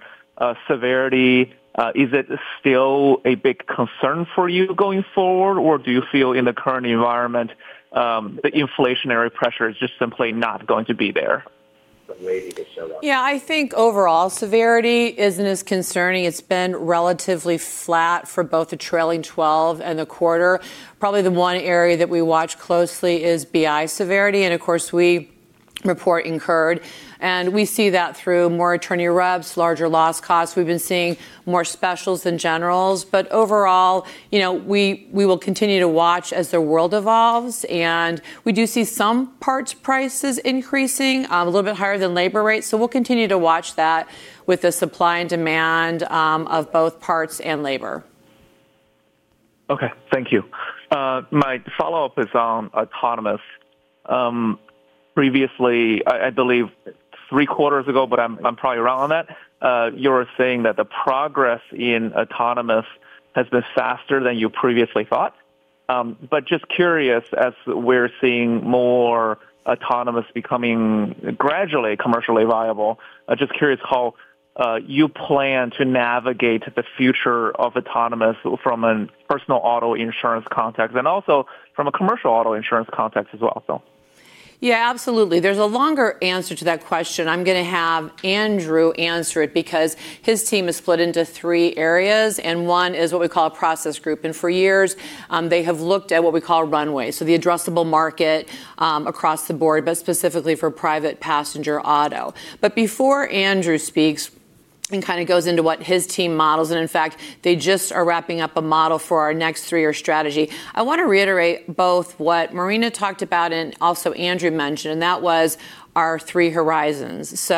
severity? Is it still a big concern for you going forward, or do you feel in the current environment, the inflationary pressure is just simply not going to be there? I think overall severity isn't as concerning. It's been relatively flat for both the trailing twelve and the quarter. Probably the one area that we watch closely is BI severity, and of course, we report incurred, and we see that through more attorney reps, larger loss costs. We've been seeing more specials than generals. Overall, you know, we will continue to watch as the world evolves, and we do see some parts prices increasing a little bit higher than labor rates. We'll continue to watch that with the supply and demand of both parts and labor. Okay. Thank you. My follow-up is on autonomous. Previously, I believe three quarters ago, but I'm probably wrong on that, you were saying that the progress in autonomous has been faster than you previously thought. Just curious, as we're seeing more autonomous becoming gradually commercially viable, just curious how you plan to navigate the future of autonomous from a personal auto insurance context and also from a commercial auto insurance context as well. Yeah, absolutely. There's a longer answer to that question. I'm gonna have Andrew answer it because his team is split into three areas, and one is what we call a process group. For years, they have looked at what we call runway, so the addressable market, across the board, but specifically for private passenger auto. Before Andrew speaks and kind of goes into what his team models and in fact, they just are wrapping up a model for our next three-year strategy. I want to reiterate both what Marina talked about and also Andrew mentioned, that was our Three Horizons.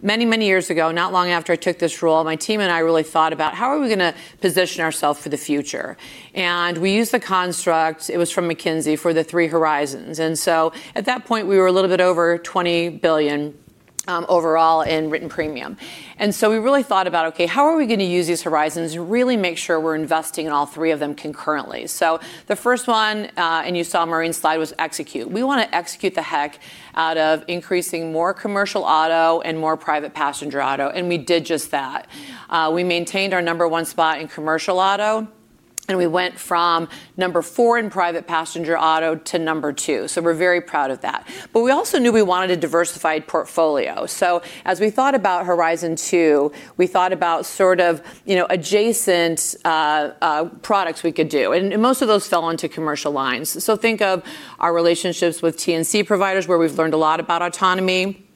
Many, many years ago, not long after I took this role, my team and I really thought about how are we gonna position ourselves for the future? We used the construct, it was from McKinsey, for the Three Horizons. At that point, we were a little bit over $20 billion overall in written premium. We really thought about, okay, how are we gonna use these horizons and really make sure we're investing in all three of them concurrently? The first one, and you saw Marina's slide, was execute. We wanna execute the heck out of increasing more commercial auto and more private passenger auto, and we did just that. We maintained our number one spot in commercial auto, and we went from number four in private passenger auto to number two. We're very proud of that. We also knew we wanted a diversified portfolio. As we thought about Horizon two, we thought about sort of, you know, adjacent products we could do. Most of those fell into commercial lines. Think of our relationships with TNC providers, where we've learned a lot about autonomy.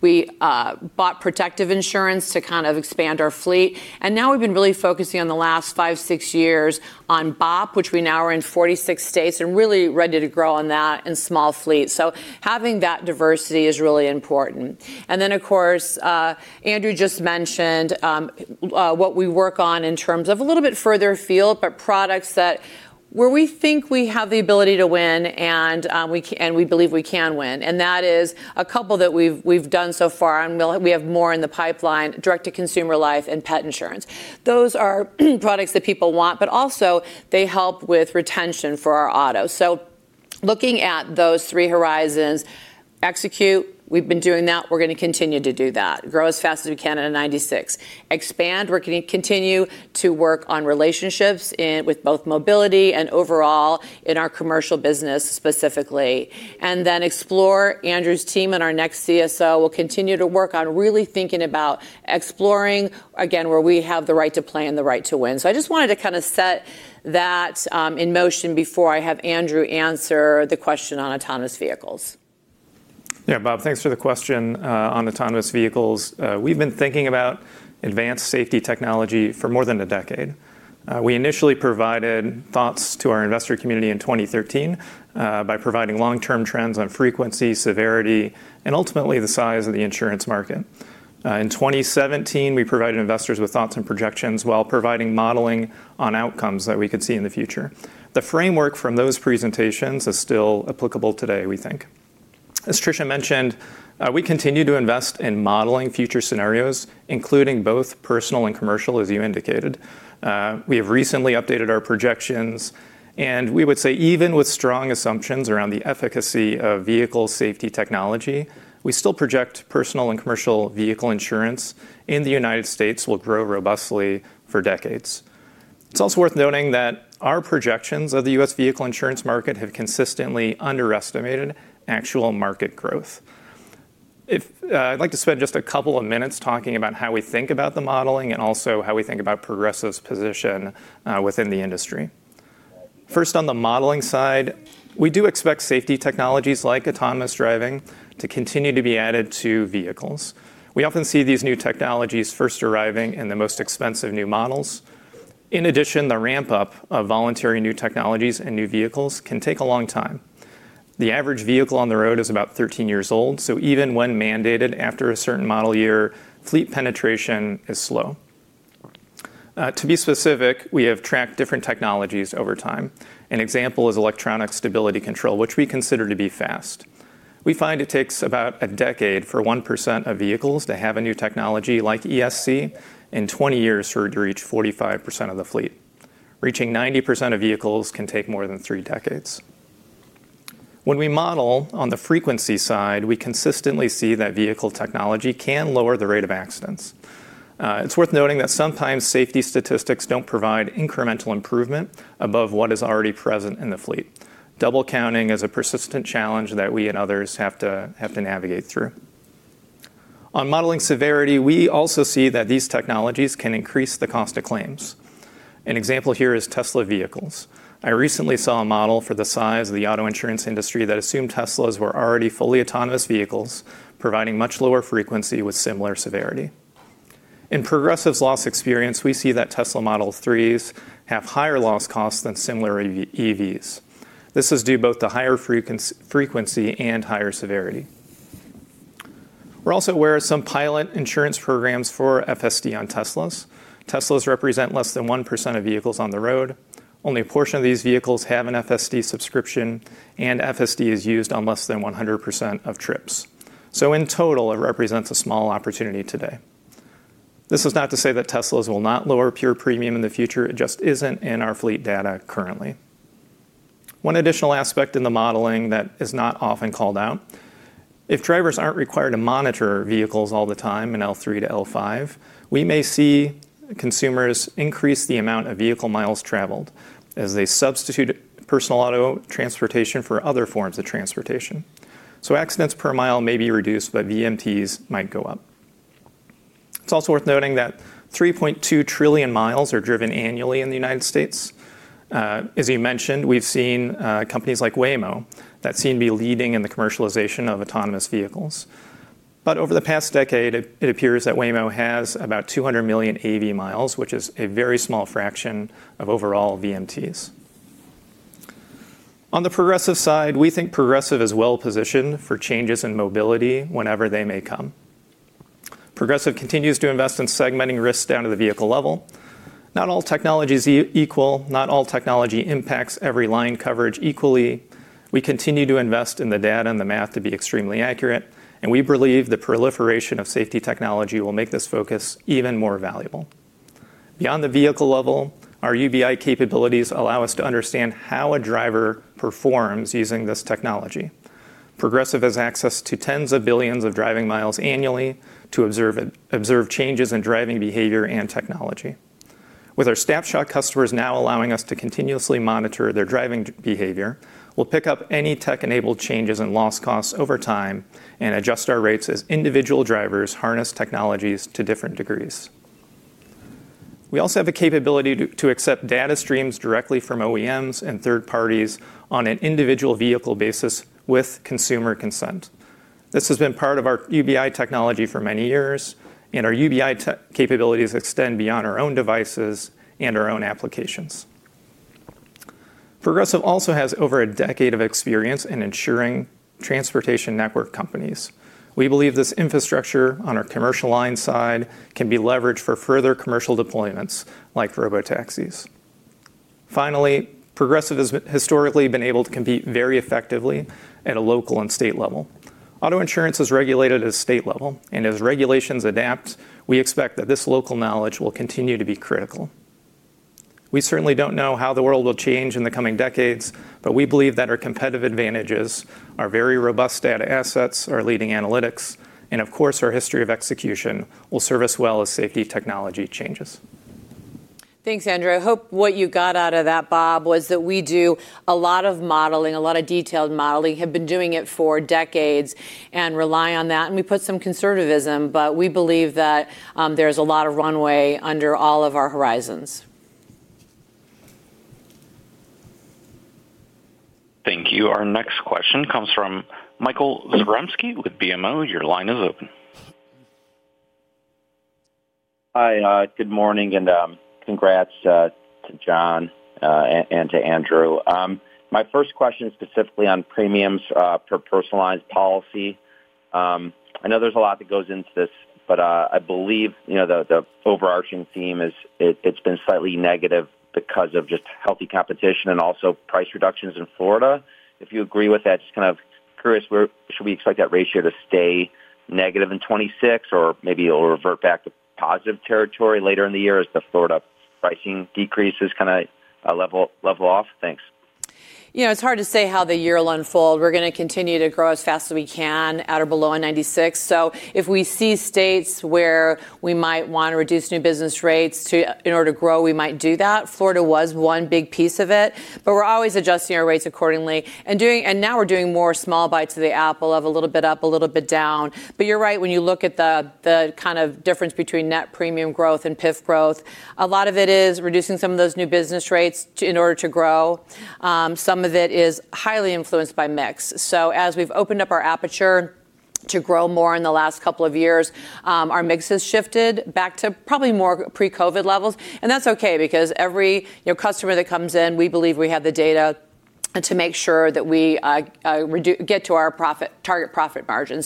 We bought Protective Insurance to kind of expand our fleet, and now we've been really focusing on the last 5, 6 years on BOP, which we now are in 46 states and really ready to grow on that in small fleet. Having that diversity is really important. Of course, Andrew just mentioned what we work on in terms of a little bit further field, but products that where we think we have the ability to win and we believe we can win. That is a couple that we've done so far, and we'll have more in the pipeline, direct-to-consumer life and pet insurance. Those are products that people want, but also they help with retention for our auto. Looking at those three horizons, execute, we've been doing that, we're going to continue to do that, grow as fast as we can in 96. Expand, we're gonna continue to work on relationships in with both mobility and overall in our commercial business specifically. Explore, Andrew's team and our next CSO will continue to work on really thinking about exploring again, where we have the right to play and the right to win. I just wanted to kind of set that in motion before I have Andrew answer the question on autonomous vehicles. Yeah, Bob, thanks for the question, on autonomous vehicles. We've been thinking about advanced safety technology for more than a decade. We initially provided thoughts to our investor community in 2013, by providing long-term trends on frequency, severity, and ultimately the size of the insurance market. In 2017, we provided investors with thoughts and projections while providing modeling on outcomes that we could see in the future. The framework from those presentations is still applicable today, we think. As Tricia mentioned, we continue to invest in modeling future scenarios, including both personal and commercial, as you indicated. We have recently updated our projections. We would say even with strong assumptions around the efficacy of vehicle safety technology, we still project personal and commercial vehicle insurance in the U.S. will grow robustly for decades. It's also worth noting that our projections of the U.S. vehicle insurance market have consistently underestimated actual market growth. I'd like to spend just a couple of minutes talking about how we think about the modeling and also how we think about Progressive's position within the industry. First, on the modeling side, we do expect safety technologies like autonomous driving to continue to be added to vehicles. We often see these new technologies first arriving in the most expensive new models. In addition, the ramp-up of voluntary new technologies and new vehicles can take a long time. The average vehicle on the road is about 13 years old, so even when mandated after a certain model year, fleet penetration is slow. To be specific, we have tracked different technologies over time. An example is electronic stability control, which we consider to be fast. We find it takes about a decade for 1% of vehicles to have a new technology like ESC and 20 years for it to reach 45% of the fleet. Reaching 90% of vehicles can take more than 3 decades. When we model on the frequency side, we consistently see that vehicle technology can lower the rate of accidents. It's worth noting that sometimes safety statistics don't provide incremental improvement above what is already present in the fleet. Double counting is a persistent challenge that we and others have to navigate through. On modeling severity, we also see that these technologies can increase the cost of claims. An example here is Tesla vehicles. I recently saw a model for the size of the auto insurance industry that assumed Teslas were already fully autonomous vehicles, providing much lower frequency with similar severity. In Progressive's loss experience, we see that Tesla Model 3s have higher loss costs than similar EVs. This is due both to higher frequency and higher severity. We're also aware of some pilot insurance programs for FSD on Teslas. Teslas represent less than 1% of vehicles on the road. Only a portion of these vehicles have an FSD subscription, and FSD is used on less than 100% of trips. In total, it represents a small opportunity today. This is not to say that Teslas will not lower pure premium in the future. It just isn't in our fleet data currently. One additional aspect in the modeling that is not often called out. If drivers aren't required to monitor vehicles all the time in L3 to L5, we may see consumers increase the amount of vehicle miles traveled as they substitute personal auto transportation for other forms of transportation. Accidents per mile may be reduced, but VMTs might go up. It's also worth noting that 3.2 trillion miles are driven annually in the United States. As you mentioned, we've seen companies like Waymo that seem to be leading in the commercialization of autonomous vehicles. Over the past decade, it appears that Waymo has about 200 million AV miles, which is a very small fraction of overall VMTs. On the Progressive side, we think Progressive is well-positioned for changes in mobility whenever they may come. Progressive continues to invest in segmenting risks down to the vehicle level. Not all technology is equal. Not all technology impacts every line coverage equally. We continue to invest in the data and the math to be extremely accurate. We believe the proliferation of safety technology will make this focus even more valuable. Beyond the vehicle level, our UBI capabilities allow us to understand how a driver performs using this technology. Progressive has access to tens of billions of driving miles annually to observe changes in driving behavior and technology. With our Snapshot customers now allowing us to continuously monitor their driving behavior, we'll pick up any tech-enabled changes in loss costs over time and adjust our rates as individual drivers harness technologies to different degrees. We also have the capability to accept data streams directly from OEMs and third parties on an individual vehicle basis with consumer consent. This has been part of our UBI technology for many years. Our UBI capabilities extend beyond our own devices and our own applications. Progressive also has over a decade of experience in ensuring transportation network companies. We believe this infrastructure on our commercial line side can be leveraged for further commercial deployments like robotaxis. Progressive has historically been able to compete very effectively at a local and state level. Auto insurance is regulated at a state level. As regulations adapt, we expect that this local knowledge will continue to be critical. We certainly don't know how the world will change in the coming decades, but we believe that our competitive advantages, our very robust data assets, our leading analytics, and of course, our history of execution will serve us well as safety technology changes. Thanks, Andrew. I hope what you got out of that, Bob, was that we do a lot of modeling, a lot of detailed modeling, have been doing it for decades and rely on that. We put some conservatism, but we believe that there's a lot of runway under all of our horizons. Thank you. Our next question comes from Michael Zaremski with BMO. Your line is open. Hi, good morning, congrats to John and to Andrew. My first question is specifically on premiums per personalized policy. I know there's a lot that goes into this, I believe, you know, the overarching theme is it's been slightly negative because of just healthy competition and also price reductions in Florida. If you agree with that, just kind of curious, where should we expect that ratio to stay negative in 2024, or maybe it'll revert back to positive territory later in the year as the Florida pricing decreases kinda level off? Thanks. You know, it's hard to say how the year will unfold. We're gonna continue to grow as fast as we can at or below a 96. If we see states where we might wanna reduce new business rates in order to grow, we might do that. Florida was one big piece of it, but we're always adjusting our rates accordingly. Now we're doing more small bites of the apple of a little bit up, a little bit down. You're right, when you look at the kind of difference between net premium growth and PIF growth, a lot of it is reducing some of those new business rates in order to grow. Some of it is highly influenced by mix. As we've opened up our aperture to grow more in the last couple of years, our mix has shifted back to probably more pre-COVID levels. That's okay because every, you know, customer that comes in, we believe we have the data to make sure that we get to our profit, target profit margin.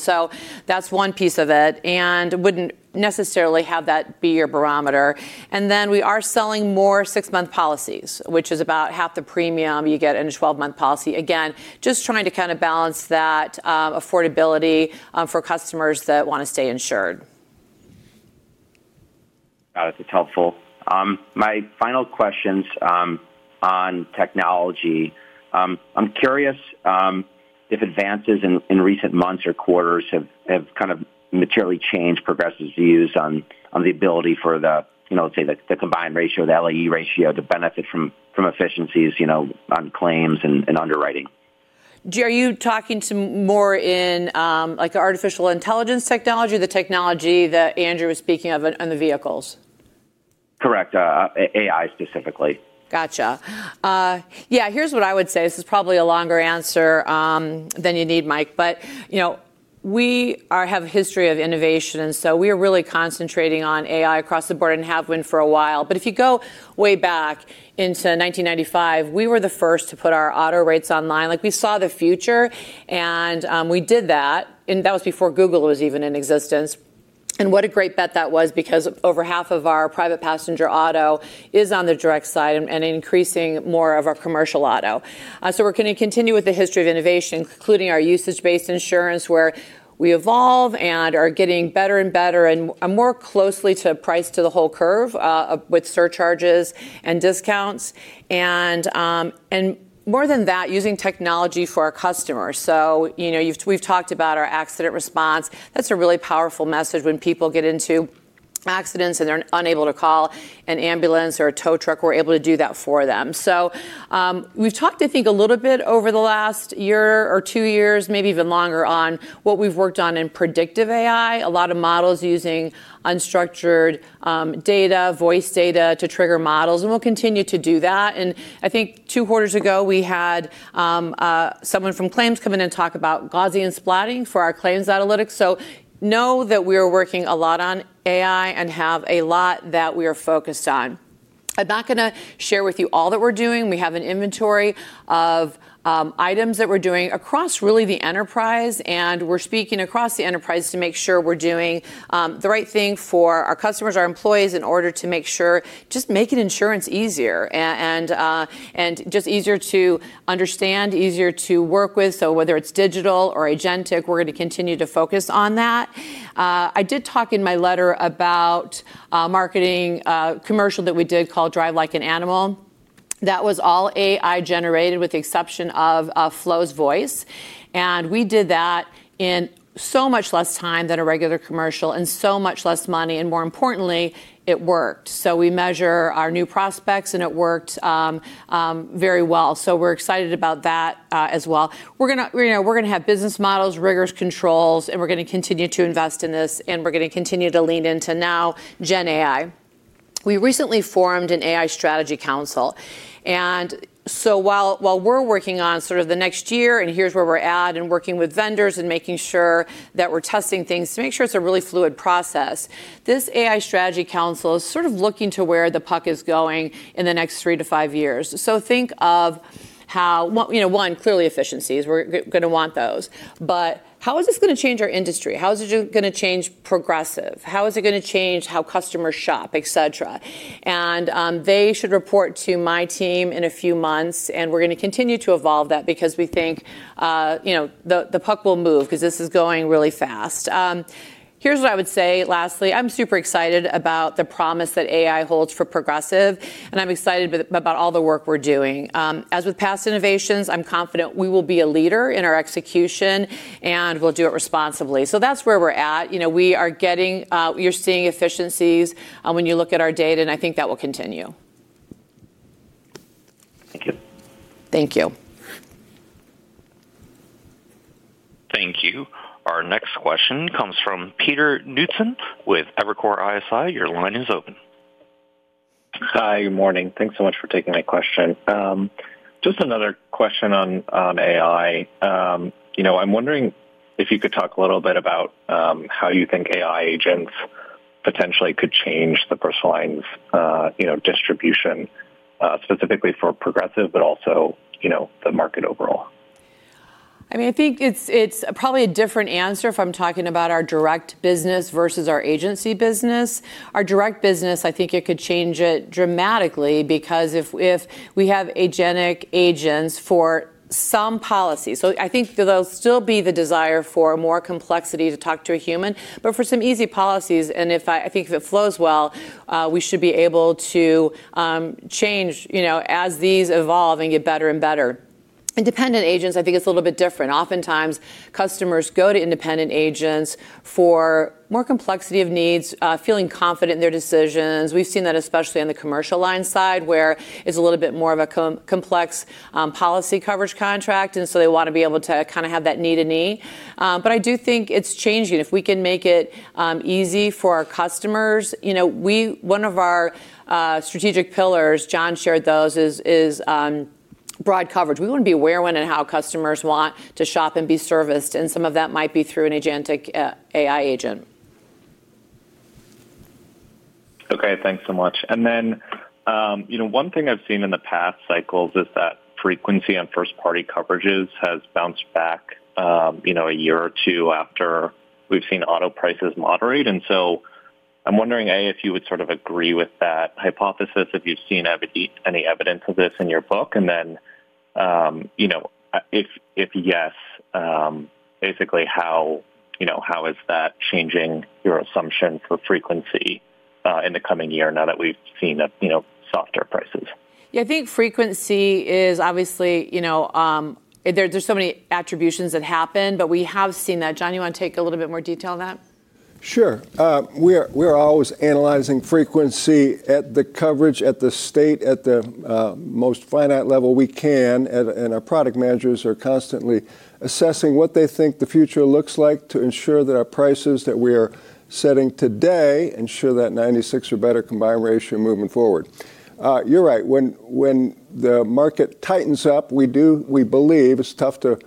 That's one piece of it, and wouldn't necessarily have that be your barometer. Then we are selling more 6-month policies, which is about half the premium you get in a 12-month policy. Again, just trying to kinda balance that affordability for customers that wanna stay insured. Got it. That's helpful. My final question's on technology. I'm curious if advances in recent months or quarters have kind of materially changed Progressive's views on the ability for the, you know, say the combined ratio, the L&E ratio to benefit from efficiencies, you know, on claims and underwriting. Mike, are you talking to more in, like the artificial intelligence technology or the technology that Andrew was speaking of on the vehicles? Correct. AI specifically. Gotcha. Yeah. Here's what I would say. This is probably a longer answer than you need, Mike. You know, we have a history of innovation, and so we are really concentrating on AI across the board and have been for a while. If you go way back into 1995, we were the first to put our auto rates online. Like, we saw the future, and we did that, and that was before Google was even in existence. What a great bet that was because over half of our private passenger auto is on the direct side and increasing more of our commercial auto. We're gonna continue with the history of innovation, including our usage-based insurance, where we evolve and are getting better and better and more closely to price to the whole curve, with surcharges and discounts. More than that, using technology for our customers. You know, we've talked about our accident response. That's a really powerful message when people get into accidents and they're unable to call an ambulance or a tow truck, we're able to do that for them. We've talked, I think, a little bit over the last year or 2 years, maybe even longer, on what we've worked on in predictive AI. A lot of models using unstructured data, voice data to trigger models, and we'll continue to do that. I think 2 quarters ago, we had someone from claims come in and talk about Gaussian splatting for our claims analytics. Know that we are working a lot on AI and have a lot that we are focused on. I'm not gonna share with you all that we're doing. We have an inventory of items that we're doing across really the enterprise, and we're speaking across the enterprise to make sure we're doing the right thing for our customers, our employees, in order to make sure just making insurance easier and just easier to understand, easier to work with. Whether it's digital or agency, we're gonna continue to focus on that. I did talk in my letter about a marketing commercial that we did called Drive Like an Animal. That was all AI-generated with the exception of Flo's voice, and we did that in so much less time than a regular commercial and so much less money, and more importantly, it worked. We measure our new prospects, and it worked, very well. We're excited about that, as well. We're gonna, you know, we're gonna have business models, rigorous controls, and we're gonna continue to invest in this, and we're gonna continue to lean into now gen AI. We recently formed an AI Strategy Council, while we're working on sort of the next year and here's where we're at and working with vendors and making sure that we're testing things to make sure it's a really fluid process, this AI Strategy Council is sort of looking to where the puck is going in the next 3-5 years. Think of how. You know, one, clearly efficiencies, we're gonna want those. How is this gonna change our industry? How is it gonna change Progressive? How is it gonna change how customers shop, et cetera? They should report to my team in a few months, and we're gonna continue to evolve that because we think, you know, the puck will move 'cause this is going really fast. Here's what I would say lastly. I'm super excited about the promise that AI holds for Progressive, and I'm excited about all the work we're doing. As with past innovations, I'm confident we will be a leader in our execution, and we'll do it responsibly. That's where we're at. You know, we are getting. You're seeing efficiencies when you look at our data, and I think that will continue. Thank you. Thank you. Thank you. Our next question comes from Peter Knudsen with Evercore ISI. Your line is open. Hi, good morning. Thanks so much for taking my question. Just another question on AI. You know, I'm wondering if you could talk a little bit about how you think AI agents potentially could change the personal lines, you know, distribution, specifically for Progressive but also, you know, the market overall. I mean, I think it's probably a different answer if I'm talking about our direct business versus our agency business. Our direct business, I think it could change it dramatically because if we have agency agents for some policies. I think there'll still be the desire for more complexity to talk to a human. For some easy policies, and I think if it flows well, we should be able to change, you know, as these evolve and get better and better. Independent agents, I think it's a little bit different. Oftentimes, customers go to independent agents for more complexity of needs, feeling confident in their decisions. We've seen that especially on the commercial line side, where it's a little bit more of a complex policy coverage contract, and so they wanna be able to kinda have that knee to knee. I do think it's changing. If we can make it easy for our customers. You know, one of our strategic pillars, John shared those, is broad coverage. We wanna be aware when and how customers want to shop and be serviced, and some of that might be through an agency AI agent. Okay. Thanks so much. Then, you know, one thing I've seen in the past cycles is that frequency on first party coverages has bounced back, you know, a year or 2 after we've seen auto prices moderate. So I'm wondering, A, if you would sort of agree with that hypothesis, if you've seen any evidence of this in your book, then, you know, if yes, basically how, you know, how is that changing your assumption for frequency in the coming year now that we've seen the, you know, softer prices? I think frequency is obviously, you know, there's so many attributions that happen, but we have seen that. John, you wanna take a little bit more detail on that? Sure. We're always analyzing frequency at the coverage, at the state, at the most finite level we can and our product managers are constantly assessing what they think the future looks like to ensure that our prices that we are setting today ensure that 96 or better combined ratio moving forward. You're right. When the market tightens up, We believe, it's tough to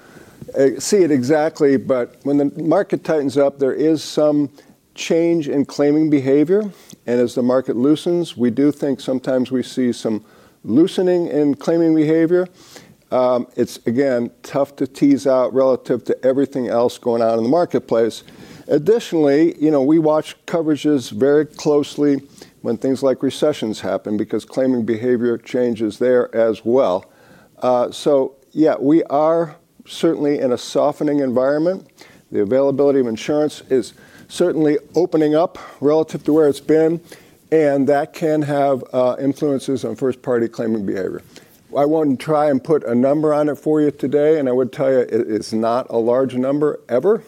see it exactly, but when the market tightens up, there is some change in claiming behavior, and as the market loosens, we do think sometimes we see some loosening in claiming behavior. It's again, tough to tease out relative to everything else going on in the marketplace. Additionally, you know, we watch coverages very closely when things like recessions happen because claiming behavior changes there as well. Yeah, we are certainly in a softening environment. The availability of insurance is certainly opening up relative to where it's been. That can have influences on first party claiming behavior. I wouldn't try and put a number on it for you today. I would tell you it's not a large number ever,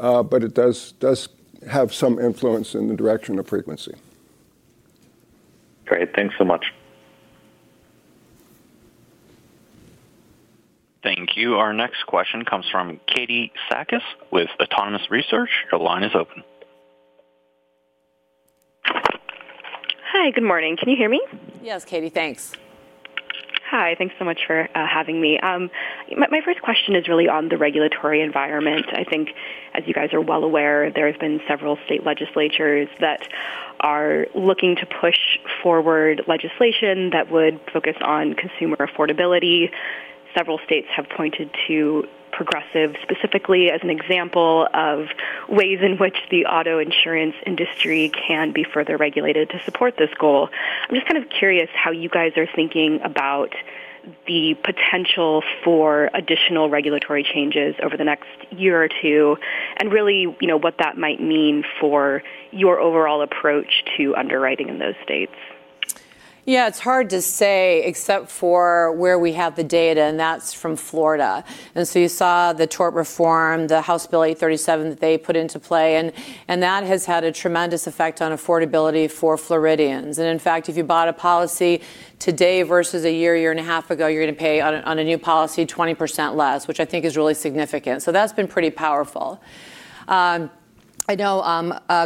but it does have some influence in the direction of frequency. Great. Thanks so much. Thank you. Our next question comes from Cathy Seifert with Autonomous Research. Your line is open. Hi. Good morning. Can you hear me? Yes, Cathy. Thanks. Hi. Thanks so much for having me. My first question is really on the regulatory environment. I think as you guys are well aware, there have been several state legislatures that are looking to push forward legislation that would focus on consumer affordability. Several states have pointed to Progressive specifically as an example of ways in which the auto insurance industry can be further regulated to support this goal. I'm just kind of curious how you guys are thinking about the potential for additional regulatory changes over the next year or two, and really, you know, what that might mean for your overall approach to underwriting in those states. Yeah, it's hard to say except for where we have the data, and that's from Florida. You saw the tort reform, the House Bill 837 that they put into play and that has had a tremendous effect on affordability for Floridians. In fact, if you bought a policy today versus a year and a half ago, you're gonna pay on a new policy 20% less, which I think is really significant. That's been pretty powerful. I know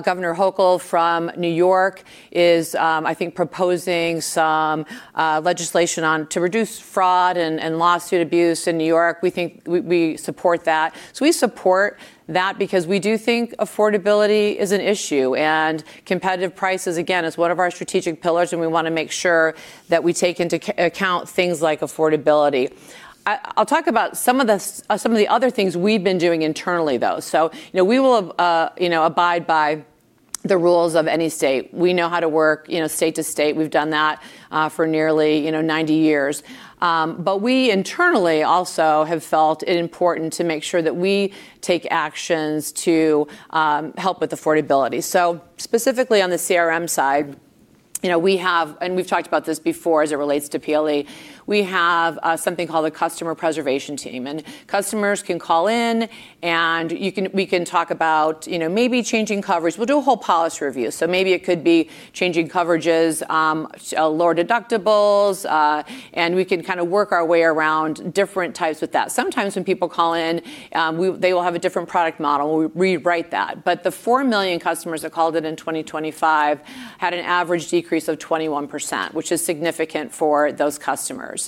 Governor Hochul from New York is I think proposing some legislation on to reduce fraud and lawsuit abuse in New York. We think we support that. We support that because we do think affordability is an issue and competitive prices, again, is one of our strategic pillars, and we wanna make sure that we take into account things like affordability. I'll talk about some of the other things we've been doing internally though. You know, we will, you know, abide by the rules of any state. We know how to work, you know, state to state. We've done that for nearly, you know, 90 years. We internally also have felt it important to make sure that we take actions to help with affordability. Specifically on the CRM side, you know, we have... We've talked about this before as it relates to PLE. We have something called a Customer Preservation team, customers can call in and we can talk about, you know, maybe changing coverage. We'll do a whole policy review, maybe it could be changing coverages, lower deductibles, and we can kind of work our way around different types with that. Sometimes when people call in, they will have a different product model. We rewrite that. The 4 million customers that called in in 2023 had an average decrease of 21%, which is significant for those customers.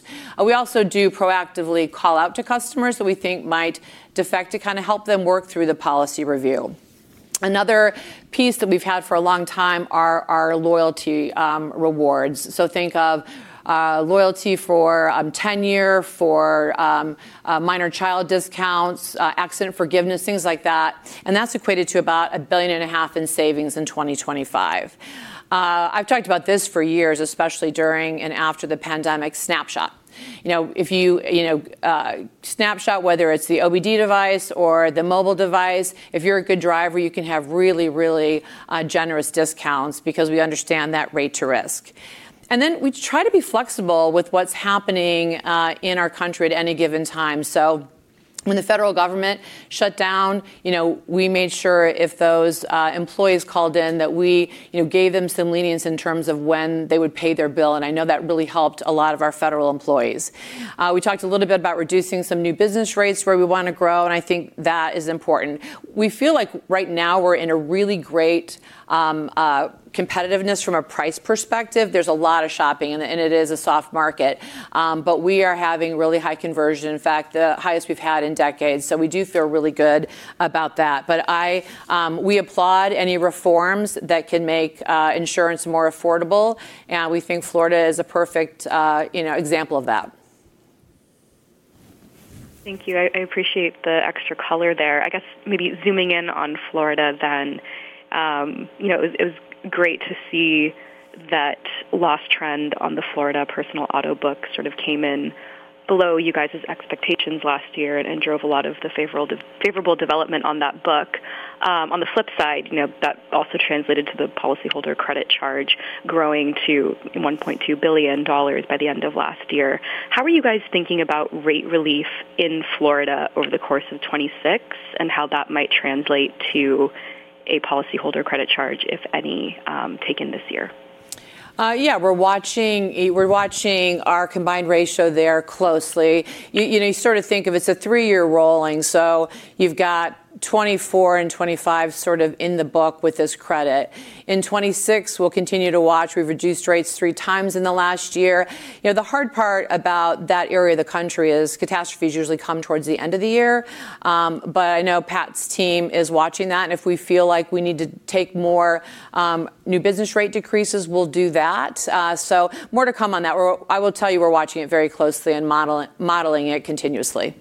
We also do proactively call out to customers that we think might defect to kind of help them work through the policy review. Another piece that we've had for a long time are our loyalty rewards. Think of loyalty for tenure, for minor child discounts, accident forgiveness, things like that. That's equated to about a billion and a half in savings in 2023. I've talked about this for years, especially during and after the pandemic Snapshot. You know, if you know, Snapshot whether it's the OBD device or the mobile device, if you're a good driver, you can have really, really generous discounts because we understand that rate to risk. Then we try to be flexible with what's happening in our country at any given time. When the federal government shut down, you know, we made sure if those employees called in that we, you know, gave them some lenience in terms of when they would pay their bill, and I know that really helped a lot of our federal employees. We talked a little bit about reducing some new business rates where we wanna grow, and I think that is important. We feel like right now we're in a really great competitiveness from a price perspective. There's a lot of shopping and it is a soft market. But we are having really high conversion. In fact, the highest we've had in decades. We do feel really good about that. I, we applaud any reforms that can make insurance more affordable, and we think Florida is a perfect, you know, example of that. Thank you. I appreciate the extra color there. I guess maybe zooming in on Florida then. You know, it was great to see that loss trend on the Florida personal auto book sort of came in below you guys' expectations last year and drove a lot of the favorable development on that book. On the flip side, you know, that also translated to the policyholder credit charge growing to $1.2 billion by the end of last year. How are you guys thinking about rate relief in Florida over the course of 2024 and how that might translate to a policyholder credit charge, if any, taken this year? Yeah, we're watching, we're watching our combined ratio there closely. You know, you sort of think of it's a three-year rolling, so you've got 2024 and 2023 sort of in the book with this credit. In 2024, we'll continue to watch. We've reduced rates three times in the last year. You know, the hard part about that area of the country is catastrophes usually come towards the end of the year. I know Pat's team is watching that, and if we feel like we need to take more new business rate decreases, we'll do that. More to come on that. I will tell you we're watching it very closely and modeling it continuously.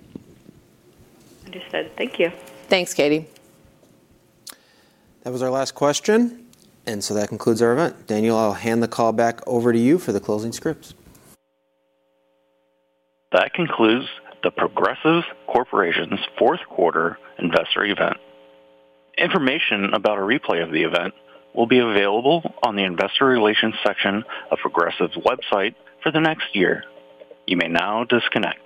Understood. Thank you. Thanks, Cathy. That was our last question, and so that concludes our event. Daniel, I'll hand the call back over to you for the closing scripts. That concludes the Progressive Corporation's fourth quarter investor event. Information about a replay of the event will be available on the investor relations section of Progressive's website for the next year. You may now disconnect.